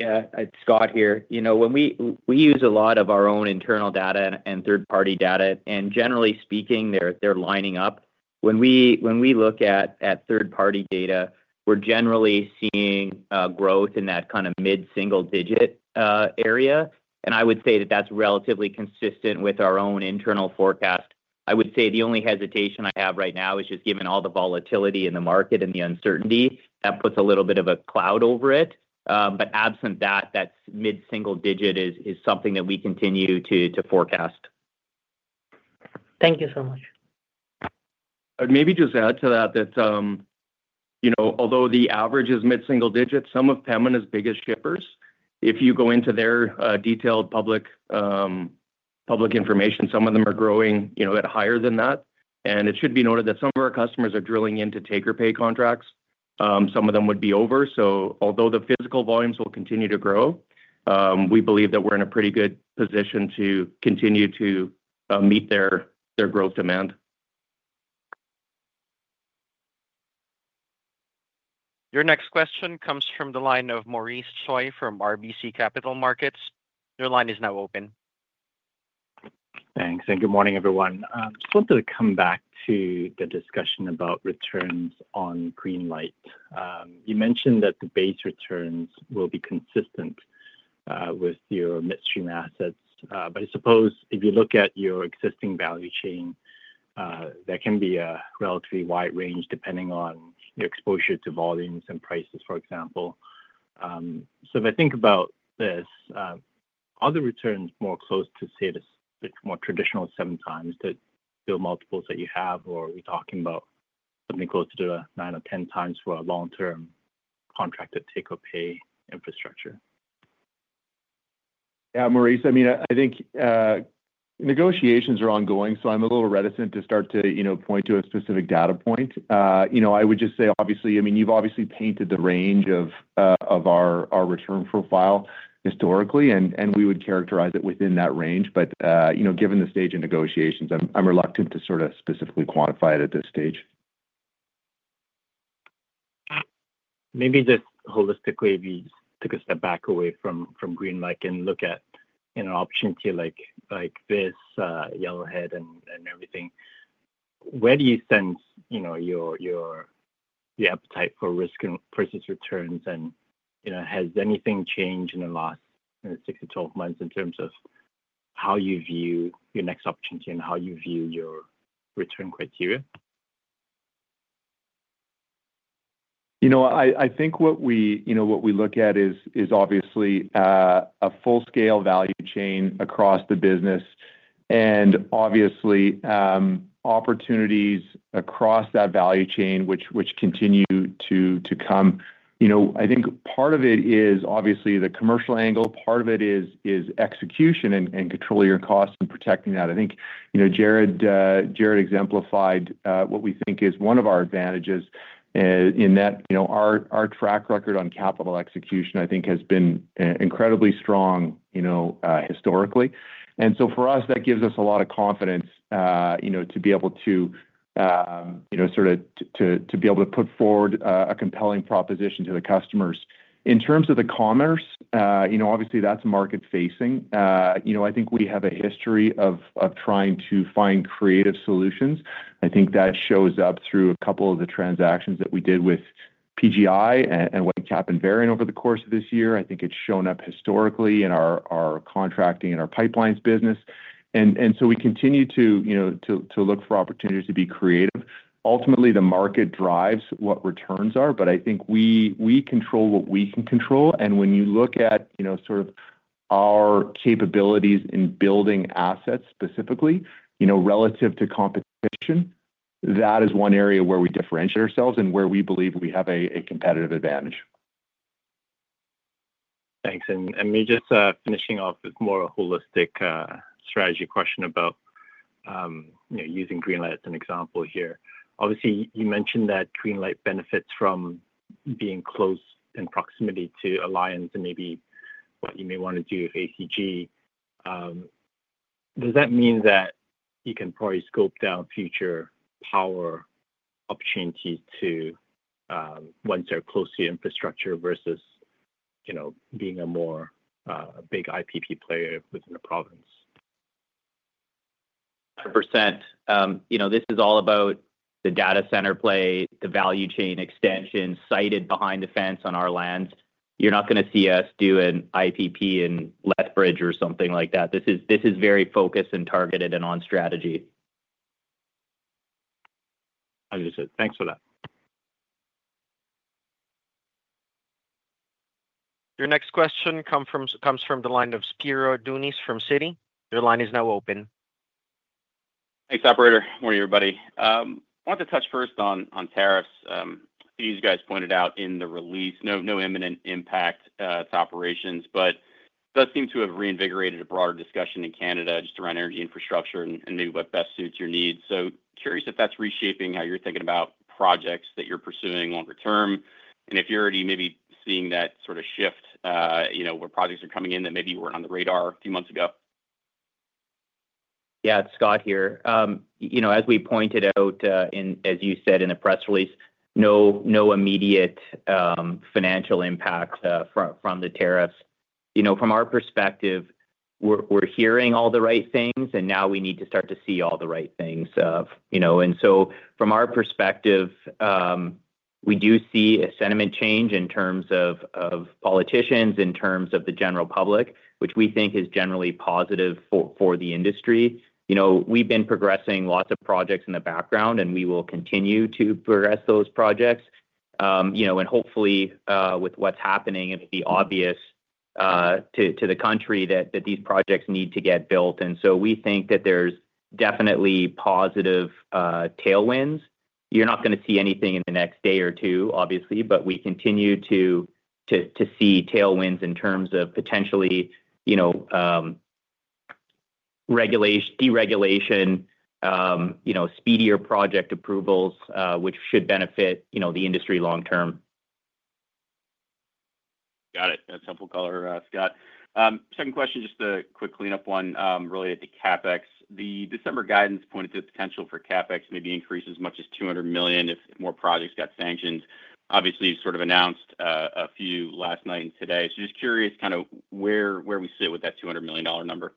Yeah, Scott here. We use a lot of our own internal data and third-party data, and generally speaking, they're lining up. When we look at third-party data, we're generally seeing growth in that kind of mid-single-digit area, and I would say that that's relatively consistent with our own internal forecast. I would say the only hesitation I have right now is just given all the volatility in the market and the uncertainty, that puts a little bit of a cloud over it, but absent that, that mid-single-digit is something that we continue to forecast. Thank you so much. I'd maybe just add to that that although the average is mid-single-digit, some of Pembina's biggest shippers, if you go into their detailed public information, some of them are growing at higher than that, and it should be noted that some of our customers are drilling into take-or-pay contracts. Some of them would be over, so although the physical volumes will continue to grow, we believe that we're in a pretty good position to continue to meet their growth demand. Your next question comes from the line of Maurice Choy from RBC Capital Markets. Your line is now open. Thanks. And good morning, everyone. Just wanted to come back to the discussion about returns on Greenlight. You mentioned that the base returns will be consistent with your midstream assets. But I suppose if you look at your existing value chain, there can be a relatively wide range depending on your exposure to volumes and prices, for example. So if I think about this, are the returns more close to, say, the more traditional seven times the multiples that you have, or are we talking about something closer to a nine or 10 times for a long-term contracted take-or-pay infrastructure? Yeah, Maurice, I mean, I think negotiations are ongoing, so I'm a little reticent to start to point to a specific data point. I would just say, obviously, I mean, you've obviously painted the range of our return profile historically, and we would characterize it within that range. But given the stage of negotiations, I'm reluctant to sort of specifically quantify it at this stage. Maybe just holistically, if we took a step back away from Greenlight and look at an opportunity like this, Yellowhead and everything, where do you sense your appetite for risk versus returns? And has anything changed in the last six to 12 months in terms of how you view your next opportunity and how you view your return criteria? You know what? I think what we look at is obviously a full-scale value chain across the business and obviously opportunities across that value chain which continue to come. I think part of it is obviously the commercial angle. Part of it is execution and controlling your costs and protecting that. I think Jaret exemplified what we think is one of our advantages in that our track record on capital execution, I think, has been incredibly strong historically. And so for us, that gives us a lot of confidence to be able to sort of put forward a compelling proposition to the customers. In terms of the commercial, obviously, that's market-facing. I think we have a history of trying to find creative solutions. I think that shows up through a couple of the transactions that we did with PGI and Whitecap and Veren over the course of this year. I think it's shown up historically in our contracting and our pipelines business. And so we continue to look for opportunities to be creative. Ultimately, the market drives what returns are, but I think we control what we can control. And when you look at sort of our capabilities in building assets specifically relative to competition, that is one area where we differentiate ourselves and where we believe we have a competitive advantage. Thanks, and maybe just finishing off with more of a holistic strategy question about using Greenlight as an example here. Obviously, you mentioned that Greenlight benefits from being close in proximity to Alliance and maybe what you may want to do with ACG. Does that mean that you can probably scope down future power opportunities once they're close to your infrastructure versus being a bigger IPP player within the province? 100%. This is all about the data center play, the value chain extension sited behind the fence on our lands. You're not going to see us do an IPP in Lethbridge or something like that. This is very focused and targeted and on strategy. Understood. Thanks for that. Your next question comes from the line of Spiro Dounis from Citi. Your line is now open. Thanks, Operator. Morning, everybody. I wanted to touch first on tariffs. You guys pointed out in the release, no imminent impact to operations, but it does seem to have reinvigorated a broader discussion in Canada just around energy infrastructure and maybe what best suits your needs, so curious if that's reshaping how you're thinking about projects that you're pursuing longer term, and if you're already maybe seeing that sort of shift where projects are coming in that maybe weren't on the radar a few months ago. Yeah, Scott here. As we pointed out, as you said in the press release, no immediate financial impact from the tariffs. From our perspective, we're hearing all the right things, and now we need to start to see all the right things. And so from our perspective, we do see a sentiment change in terms of politicians, in terms of the general public, which we think is generally positive for the industry. We've been progressing lots of projects in the background, and we will continue to progress those projects. And hopefully, with what's happening, it'll be obvious to the country that these projects need to get built. And so we think that there's definitely positive tailwinds. You're not going to see anything in the next day or two, obviously, but we continue to see tailwinds in terms of potentially deregulation, speedier project approvals, which should benefit the industry long term. Got it. That's helpful color, Scott. Second question, just a quick cleanup one related to CapEx. The December guidance pointed to the potential for CapEx maybe increase as much as 200 million if more projects got sanctioned. Obviously, you sort of announced a few last night and today. So just curious kind of where we sit with that $200 million number.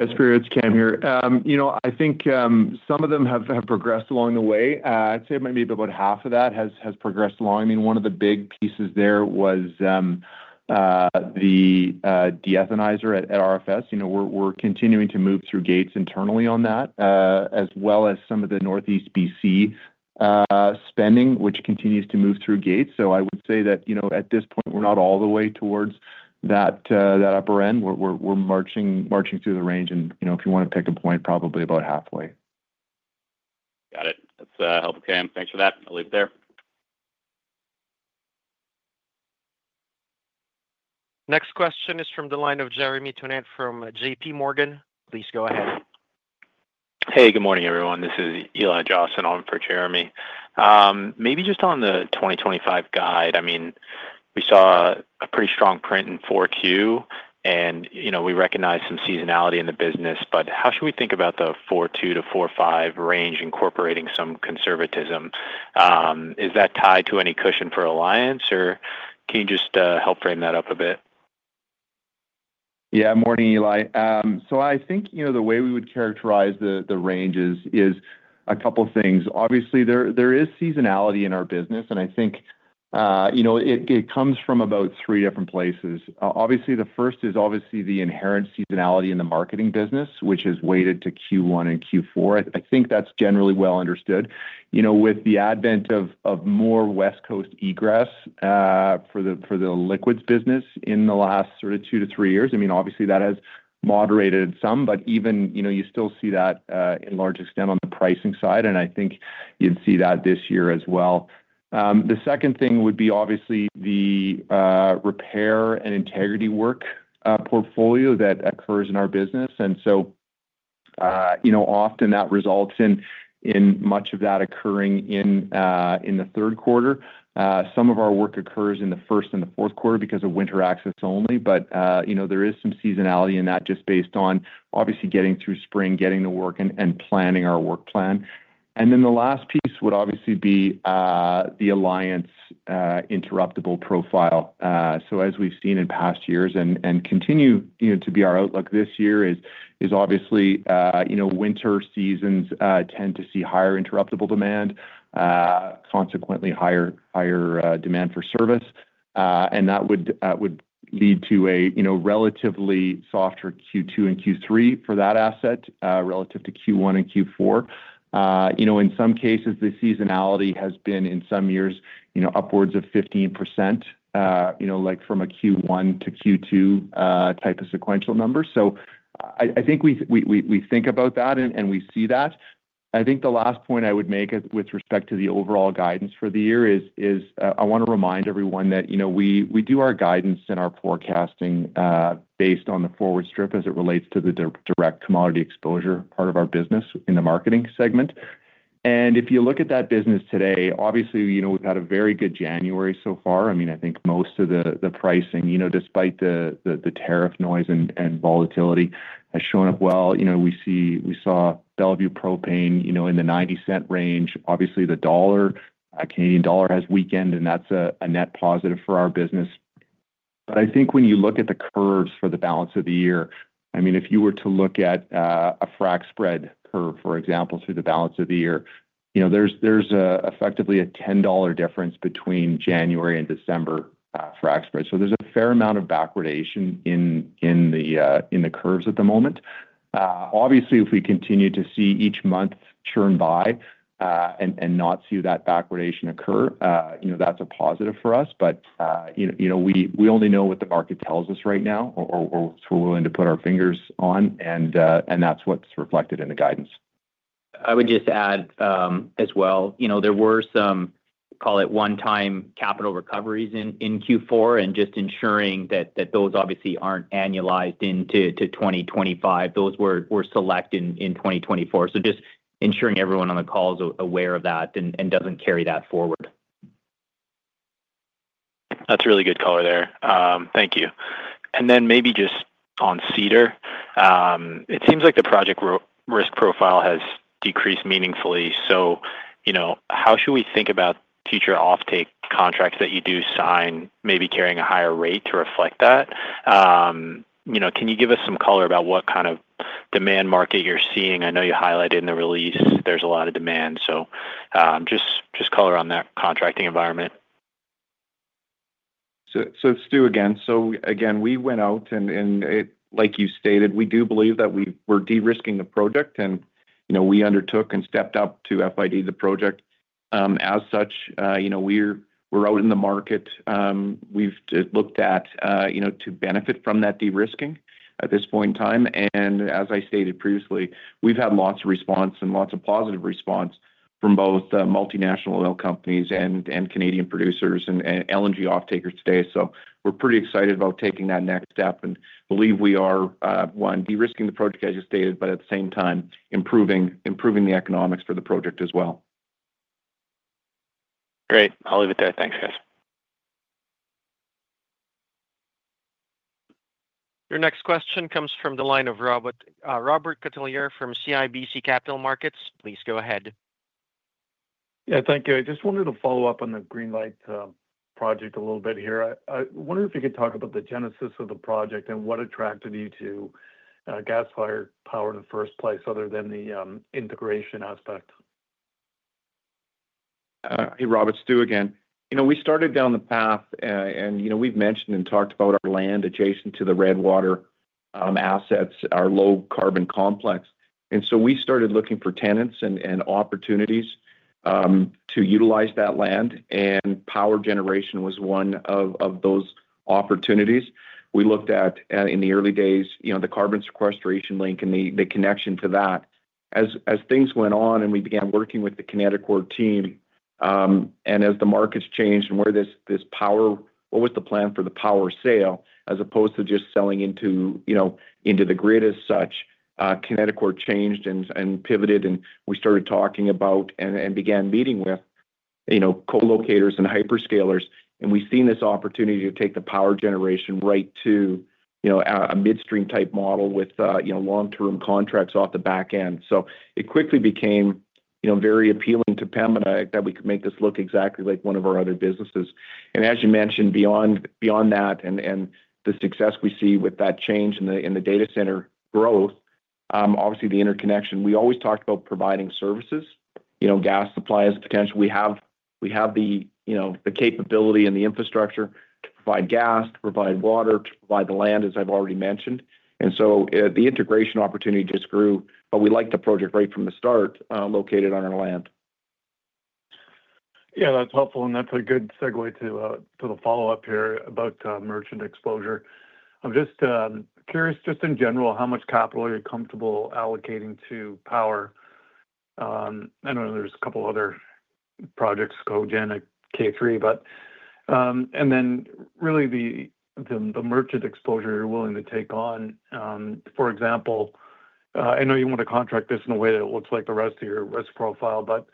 That's great. It's Cam here. I think some of them have progressed along the way. I'd say maybe about half of that has progressed along. I mean, one of the big pieces there was the de-ethanizer at RFS. We're continuing to move through gates internally on that, as well as some of the Northeast BC spending, which continues to move through gates. So I would say that at this point, we're not all the way towards that upper end. We're marching through the range, and if you want to pick a point, probably about halfway. Got it. That's helpful, Cam. Thanks for that. I'll leave it there. Next question is from the line of Jeremy Tonet from JP Morgan. Please go ahead. Hey, good morning, everyone. This is Eli Joslin on for Jeremy. Maybe just on the 2025 guide, I mean, we saw a pretty strong print in 4Q, and we recognize some seasonality in the business, but how should we think about the 4.2-4.5 range incorporating some conservatism? Is that tied to any cushion for Alliance, or can you just help frame that up a bit? Yeah, morning, Eli. So I think the way we would characterize the range is a couple of things. Obviously, there is seasonality in our business, and I think it comes from about three different places. Obviously, the first is obviously the inherent seasonality in the marketing business, which has weighted to Q1 and Q4. I think that's generally well understood. With the advent of more West Coast egress for the liquids business in the last sort of two to three years, I mean, obviously, that has moderated some, but even so you still see that to a large extent on the pricing side, and I think you'd see that this year as well. The second thing would be obviously the repair and integrity work portfolio that occurs in our business. And so often that results in much of that occurring in the third quarter. Some of our work occurs in the first and the fourth quarter because of winter access only, but there is some seasonality in that just based on obviously getting through spring, getting the work, and planning our work plan. And then the last piece would obviously be the Alliance interruptible profile. So as we've seen in past years and continue to be our outlook this year is obviously winter seasons tend to see higher interruptible demand, consequently higher demand for service. And that would lead to a relatively softer Q2 and Q3 for that asset relative to Q1 and Q4. In some cases, the seasonality has been in some years upwards of 15%, like from a Q1 to Q2 type of sequential number. So I think we think about that and we see that. I think the last point I would make with respect to the overall guidance for the year is I want to remind everyone that we do our guidance and our forecasting based on the forward strip as it relates to the direct commodity exposure part of our business in the marketing segment. And if you look at that business today, obviously, we've had a very good January so far. I mean, I think most of the pricing, despite the tariff noise and volatility, has shown up well. We saw Belvieu Propane in the 0.90 range. Obviously, the Canadian dollar has weakened, and that's a net positive for our business. But I think when you look at the curves for the balance of the year, I mean, if you were to look at a frac spread curve, for example, through the balance of the year, there's effectively a $10 difference between January and December frac spread. So there's a fair amount of backwardation in the curves at the moment. Obviously, if we continue to see each month churn by and not see that backwardation occur, that's a positive for us. But we only know what the market tells us right now or what we're willing to put our fingers on, and that's what's reflected in the guidance. I would just add as well, there were some, call it one-time capital recoveries in Q4 and just ensuring that those obviously aren't annualized into 2025. Those were selected in 2024. So just ensuring everyone on the call is aware of that and doesn't carry that forward. That's a really good color there. Thank you. And then maybe just on Cedar, it seems like the project risk profile has decreased meaningfully. So how should we think about future offtake contracts that you do sign, maybe carrying a higher rate to reflect that? Can you give us some color about what kind of demand market you're seeing? I know you highlighted in the release there's a lot of demand. So just color on that contracting environment. So, Stu, again. So again, we went out, and like you stated, we do believe that we were de-risking the project, and we undertook and stepped up to FID the project. As such, we're out in the market. We've looked at to benefit from that de-risking at this point in time. And as I stated previously, we've had lots of response and lots of positive response from both multinational oil companies and Canadian producers and LNG offtakers today. So we're pretty excited about taking that next step and believe we are one, de-risking the project, as you stated, but at the same time, improving the economics for the project as well. Great. I'll leave it there. Thanks, guys. Your next question comes from the line of Robert Catellier from CIBC Capital Markets. Please go ahead. Yeah, thank you. I just wanted to follow up on the Greenlight project a little bit here. I wonder if you could talk about the genesis of the project and what attracted you to gas-fired power in the first place other than the integration aspect. Hey, Robert, Stu again. We started down the path, and we've mentioned and talked about our land adjacent to the Redwater assets, our low-carbon complex. And so we started looking for tenants and opportunities to utilize that land, and power generation was one of those opportunities. We looked at, in the early days, the carbon sequestration link and the connection to that. As things went on and we began working with the Kineticor team, and as the markets changed and where this power what was the plan for the power sale as opposed to just selling into the grid as such, Kineticor changed and pivoted, and we started talking about and began meeting with co-locators and hyperscalers. And we've seen this opportunity to take the power generation right to a midstream type model with long-term contracts off the back end. So it quickly became very appealing to Pembina and that we could make this look exactly like one of our other businesses. And as you mentioned, beyond that and the success we see with that change in the data center growth, obviously, the interconnection, we always talked about providing services, gas supplies potentially. We have the capability and the infrastructure to provide gas, to provide water, to provide the land, as I've already mentioned. And so the integration opportunity just grew, but we liked the project right from the start located on our land. Yeah, that's helpful, and that's a good segue to the follow-up here about merchant exposure. I'm just curious, just in general, how much capital are you comfortable allocating to power? I know there's a couple of other projects, Cogen, K3, but and then really the merchant exposure you're willing to take on. For example, I know you want to contract this in a way that looks like the rest of your risk profile, but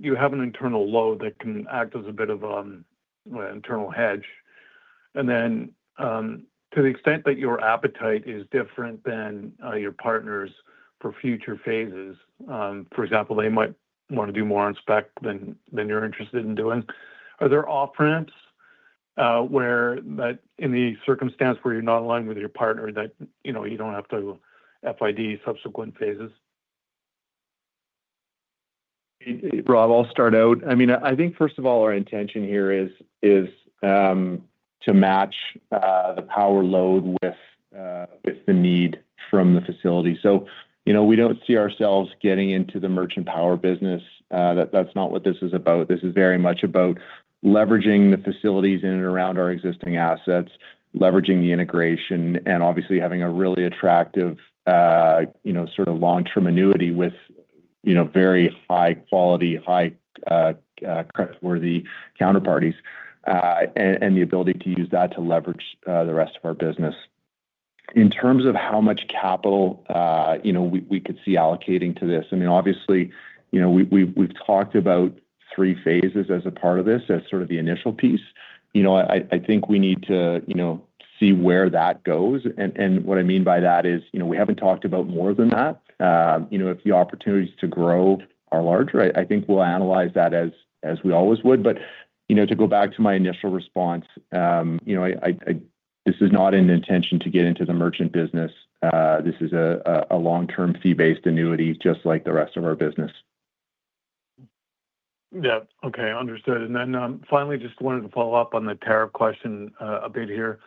you have an internal load that can act as a bit of an internal hedge. And then to the extent that your appetite is different than your partners for future phases, for example, they might want to do more on spec than you're interested in doing. Are there off-ramps where in the circumstance where you're not aligned with your partner that you don't have to FID subsequent phases? Rob, I'll start out. I mean, I think first of all, our intention here is to match the power load with the need from the facility. So we don't see ourselves getting into the merchant power business. That's not what this is about. This is very much about leveraging the facilities in and around our existing assets, leveraging the integration, and obviously having a really attractive sort of long-term annuity with very high-quality, high-credit-worthy counterparties and the ability to use that to leverage the rest of our business. In terms of how much capital we could see allocating to this, I mean, obviously, we've talked about three phases as a part of this as sort of the initial piece. I think we need to see where that goes. And what I mean by that is we haven't talked about more than that. If the opportunities to grow are larger, I think we'll analyze that as we always would. But to go back to my initial response, this is not an intention to get into the merchant business. This is a long-term fee-based annuity just like the rest of our business. Yeah. Okay. Understood. And then finally, just wanted to follow up on the tariff question a bit here.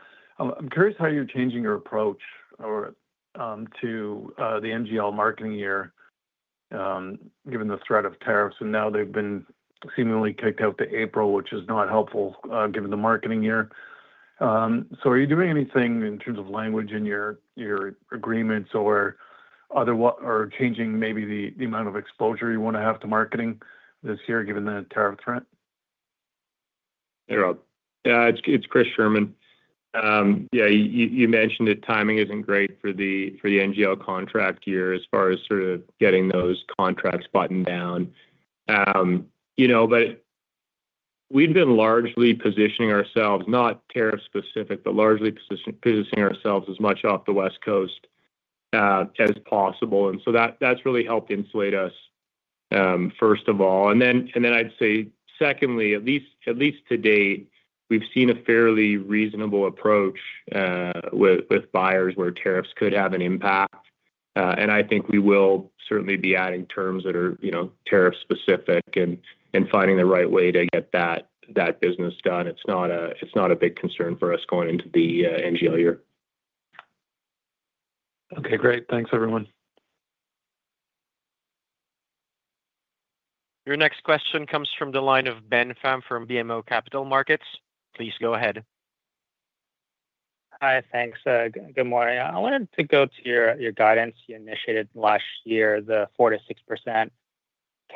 I'm curious how you're changing your approach to the NGL marketing year given the threat of tariffs. And now they've been seemingly kicked out to April, which is not helpful given the marketing year. So are you doing anything in terms of language in your agreements or changing maybe the amount of exposure you want to have to marketing this year given the tariff threat? Hey, Rob. Yeah, it's Chris Scherman. Yeah, you mentioned that timing isn't great for the NGL contract year as far as sort of getting those contracts buttoned down. But we've been largely positioning ourselves, not tariff-specific, but largely positioning ourselves as much off the West Coast as possible, and so that's really helped insulate us, first of all, and then I'd say secondly, at least to date, we've seen a fairly reasonable approach with buyers where tariffs could have an impact, and I think we will certainly be adding terms that are tariff-specific and finding the right way to get that business done. It's not a big concern for us going into the NGL year. Okay. Great. Thanks, everyone. Your next question comes from the line of Ben Pham from BMO Capital Markets. Please go ahead. Hi. Thanks. Good morning. I wanted to go to your guidance you initiated last year, the 4%-6%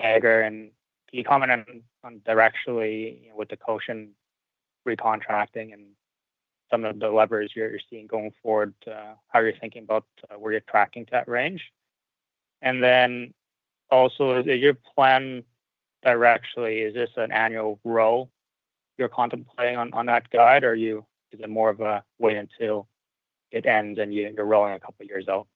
target. And can you comment on directionally with the contract recontracting and some of the levers you're seeing going forward, how you're thinking about where you're tracking to that range? And then also, is your plan directionally, is this an annual roll you're contemplating on that guide, or is it more of a wait until it ends and you're rolling a couple of years out?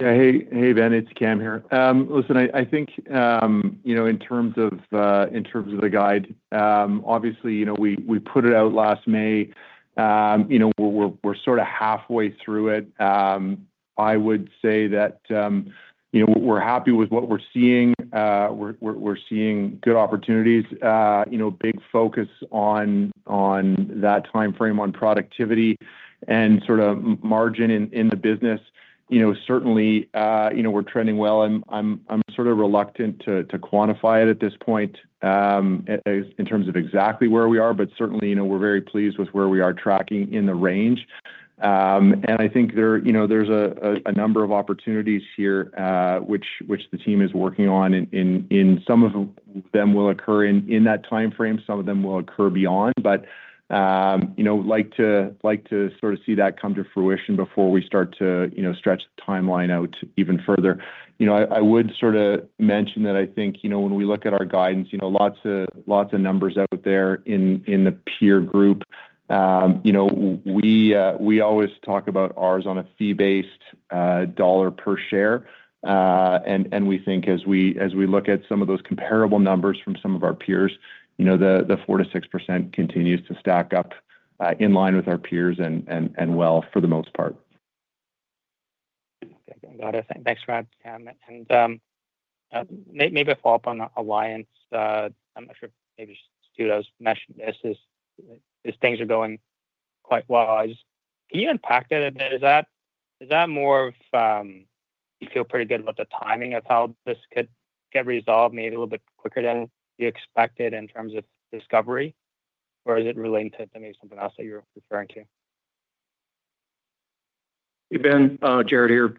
Yeah. Hey, Ben. It's Cam here. Listen, I think in terms of the guide, obviously, we put it out last May. We're sort of halfway through it. I would say that we're happy with what we're seeing. We're seeing good opportunities, big focus on that timeframe on productivity and sort of margin in the business. Certainly, we're trending well. I'm sort of reluctant to quantify it at this point in terms of exactly where we are, but certainly, we're very pleased with where we are tracking in the range, and I think there's a number of opportunities here, which the team is working on, and some of them will occur in that timeframe. Some of them will occur beyond, but I'd like to sort of see that come to fruition before we start to stretch the timeline out even further. I would sort of mention that I think when we look at our guidance, lots of numbers out there in the peer group. We always talk about ours on a fee-based dollar per share, and we think as we look at some of those comparable numbers from some of our peers, the 4%-6% continues to stack up in line with our peers and well for the most part. Got it. Thanks, Rob. And maybe a follow-up on Alliance. I'm not sure if maybe Stu mentioned this as things are going quite well. Can you unpack that? Is that more that you feel pretty good about the timing of how this could get resolved, maybe a little bit quicker than you expected in terms of discovery, or is it related to maybe something else that you're referring to? Hey, Ben. Jaret here.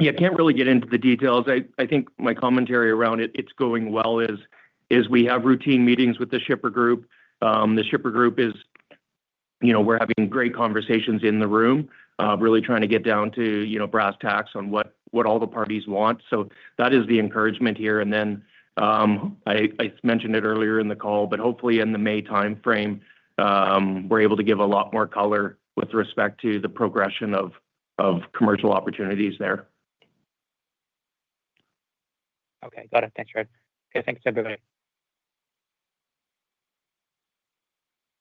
Yeah, I can't really get into the details. I think my commentary around it, it's going well is we have routine meetings with the shipper group. The shipper group is we're having great conversations in the room, really trying to get down to brass tacks on what all the parties want. So that is the encouragement here. And then I mentioned it earlier in the call, but hopefully in the May timeframe, we're able to give a lot more color with respect to the progression of commercial opportunities there. Okay. Got it. Thanks, Jaret. Okay. Thanks, everybody.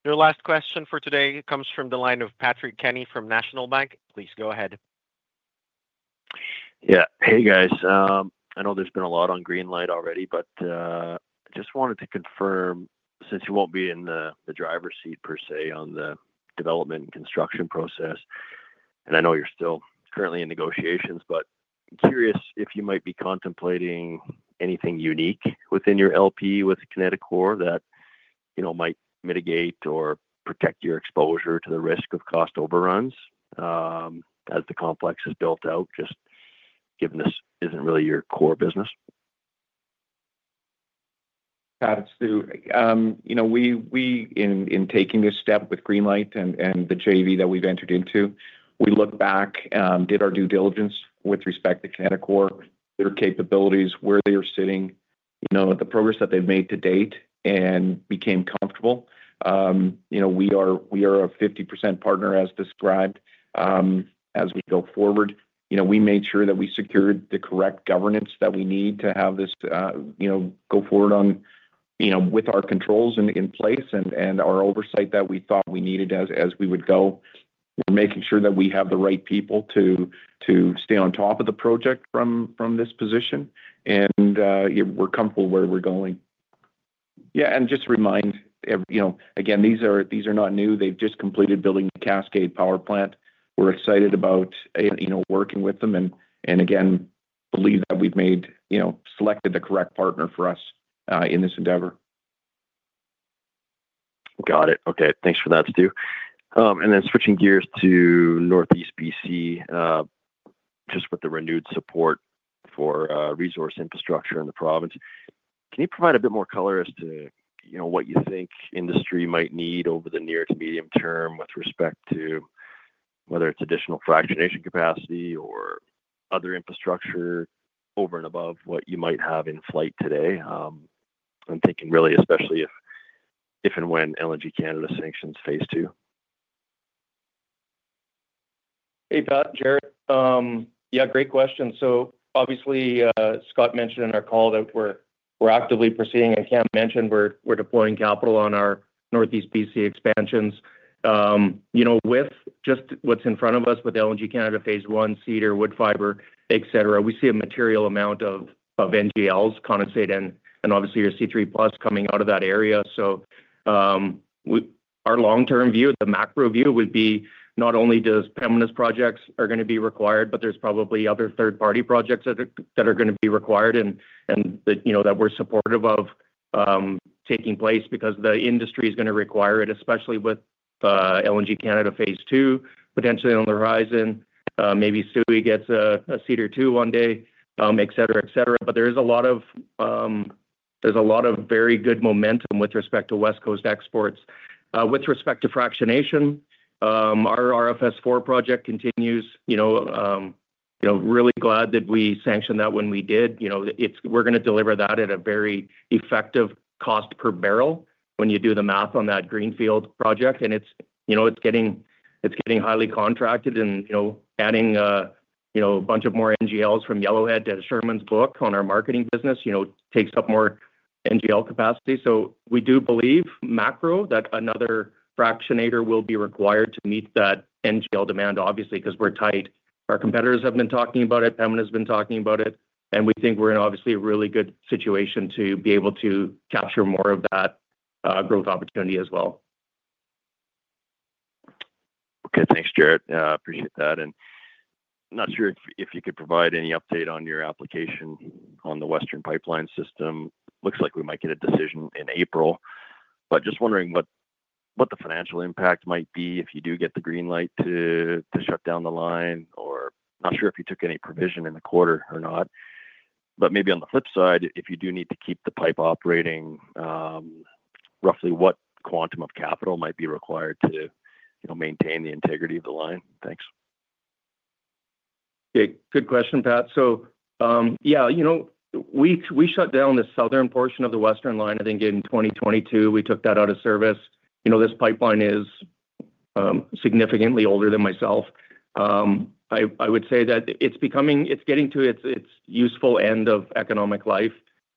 Your last question for today comes from the line of Patrick Kenny from National Bank. Please go ahead. Yeah. Hey, guys. I know there's been a lot on Greenlight already, but I just wanted to confirm since you won't be in the driver's seat per se on the development and construction process, and I know you're still currently in negotiations, but I'm curious if you might be contemplating anything unique within your LP with Kineticor that might mitigate or protect your exposure to the risk of cost overruns as the complex is built out, just given this isn't really your core business. Got it, Stu. In taking this step with Greenlight and the JV that we've entered into, we looked back, did our due diligence with respect to Kineticor, their capabilities, where they are sitting, the progress that they've made to date, and became comfortable. We are a 50% partner, as described. As we go forward, we made sure that we secured the correct governance that we need to have this go forward with our controls in place and our oversight that we thought we needed as we would go. We're making sure that we have the right people to stay on top of the project from this position, and we're comfortable where we're going. Yeah. And just to remind, again, these are not new. They've just completed building the Cascade Power Plant. We're excited about working with them and, again, believe that we've selected the correct partner for us in this endeavor. Got it. Okay. Thanks for that, Stu. And then switching gears to Northeast BC, just with the renewed support for resource infrastructure in the province. Can you provide a bit more color as to what you think industry might need over the near to medium term with respect to whether it's additional fractionation capacity or other infrastructure over and above what you might have in flight today? I'm thinking really especially if and when LNG Canada sanctions phase II. Hey, Ben. Jaret. Yeah, great question. So obviously, Scott mentioned in our call that we're actively proceeding and Cam mentioned we're deploying capital on our Northeast BC expansions. With just what's in front of us with LNG Canada phase I, Cedar, Woodfibre, etc., we see a material amount of NGLs, condensate, and obviously your C3+ coming out of that area. So our long-term view, the macro view would be not only does Pembina's projects are going to be required, but there's probably other third-party projects that are going to be required and that we're supportive of taking place because the industry is going to require it, especially with LNG Canada phase II, potentially on the horizon. Maybe we see a Cedar II one day, etc., etc. But there is a lot of very good momentum with respect to West Coast exports. With respect to fractionation, our RFS IV project continues. Really glad that we sanctioned that when we did. We're going to deliver that at a very effective cost per barrel when you do the math on that greenfield project, and it's getting highly contracted and adding a bunch of more NGLs from Yellowhead to Scherman's book on our marketing business, takes up more NGL capacity. So we do believe, macro, that another fractionator will be required to meet that NGL demand, obviously, because we're tight. Our competitors have been talking about it. Pembina has been talking about it, and we think we're in obviously a really good situation to be able to capture more of that growth opportunity as well. Okay. Thanks, Jaret. Appreciate that. And I'm not sure if you could provide any update on your application on the Western Pipeline System. Looks like we might get a decision in April. But just wondering what the financial impact might be if you do get the Greenlight to shut down the line, or not sure if you took any provision in the quarter or not. But maybe on the flip side, if you do need to keep the pipe operating, roughly what quantum of capital might be required to maintain the integrity of the line? Thanks. Okay. Good question, Pat. So yeah, we shut down the southern portion of the Western line, I think, in 2022. We took that out of service. This pipeline is significantly older than myself. I would say that it's getting to its useful end of economic life.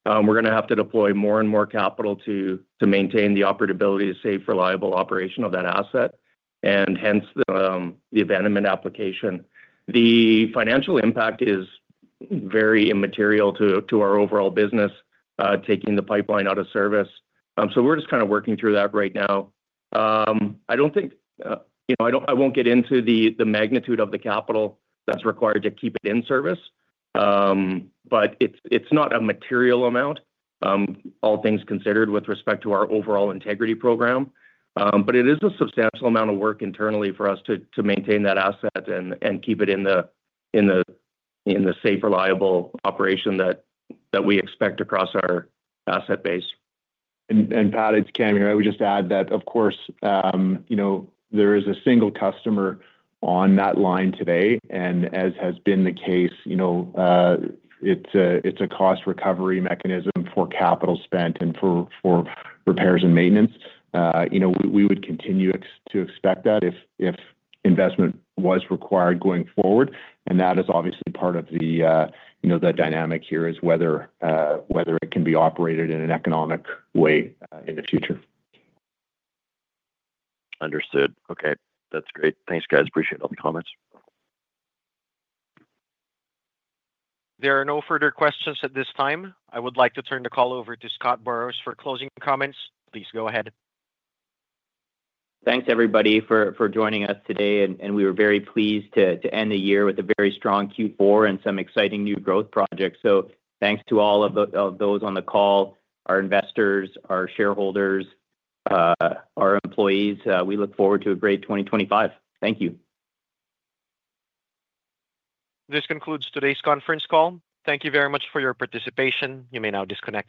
We're going to have to deploy more and more capital to maintain the operability to safe, reliable operation of that asset, and hence the abandonment application. The financial impact is very immaterial to our overall business taking the pipeline out of service. So we're just kind of working through that right now. I don't think I won't get into the magnitude of the capital that's required to keep it in service, but it's not a material amount, all things considered with respect to our overall integrity program. But it is a substantial amount of work internally for us to maintain that asset and keep it in the safe, reliable operation that we expect across our asset base. And Pat, it's Cam here. I would just add that, of course, there is a single customer on that line today. And as has been the case, it's a cost recovery mechanism for capital spent and for repairs and maintenance. We would continue to expect that if investment was required going forward. And that is obviously part of the dynamic here is whether it can be operated in an economic way in the future. Understood. Okay. That's great. Thanks, guys. Appreciate all the comments. There are no further questions at this time. I would like to turn the call over to Scott Burrows for closing comments. Please go ahead. Thanks, everybody, for joining us today. And we were very pleased to end the year with a very strong Q4 and some exciting new growth projects. So thanks to all of those on the call, our investors, our shareholders, our employees. We look forward to a great 2025. Thank you. This concludes today's conference call. Thank you very much for your participation. You may now disconnect.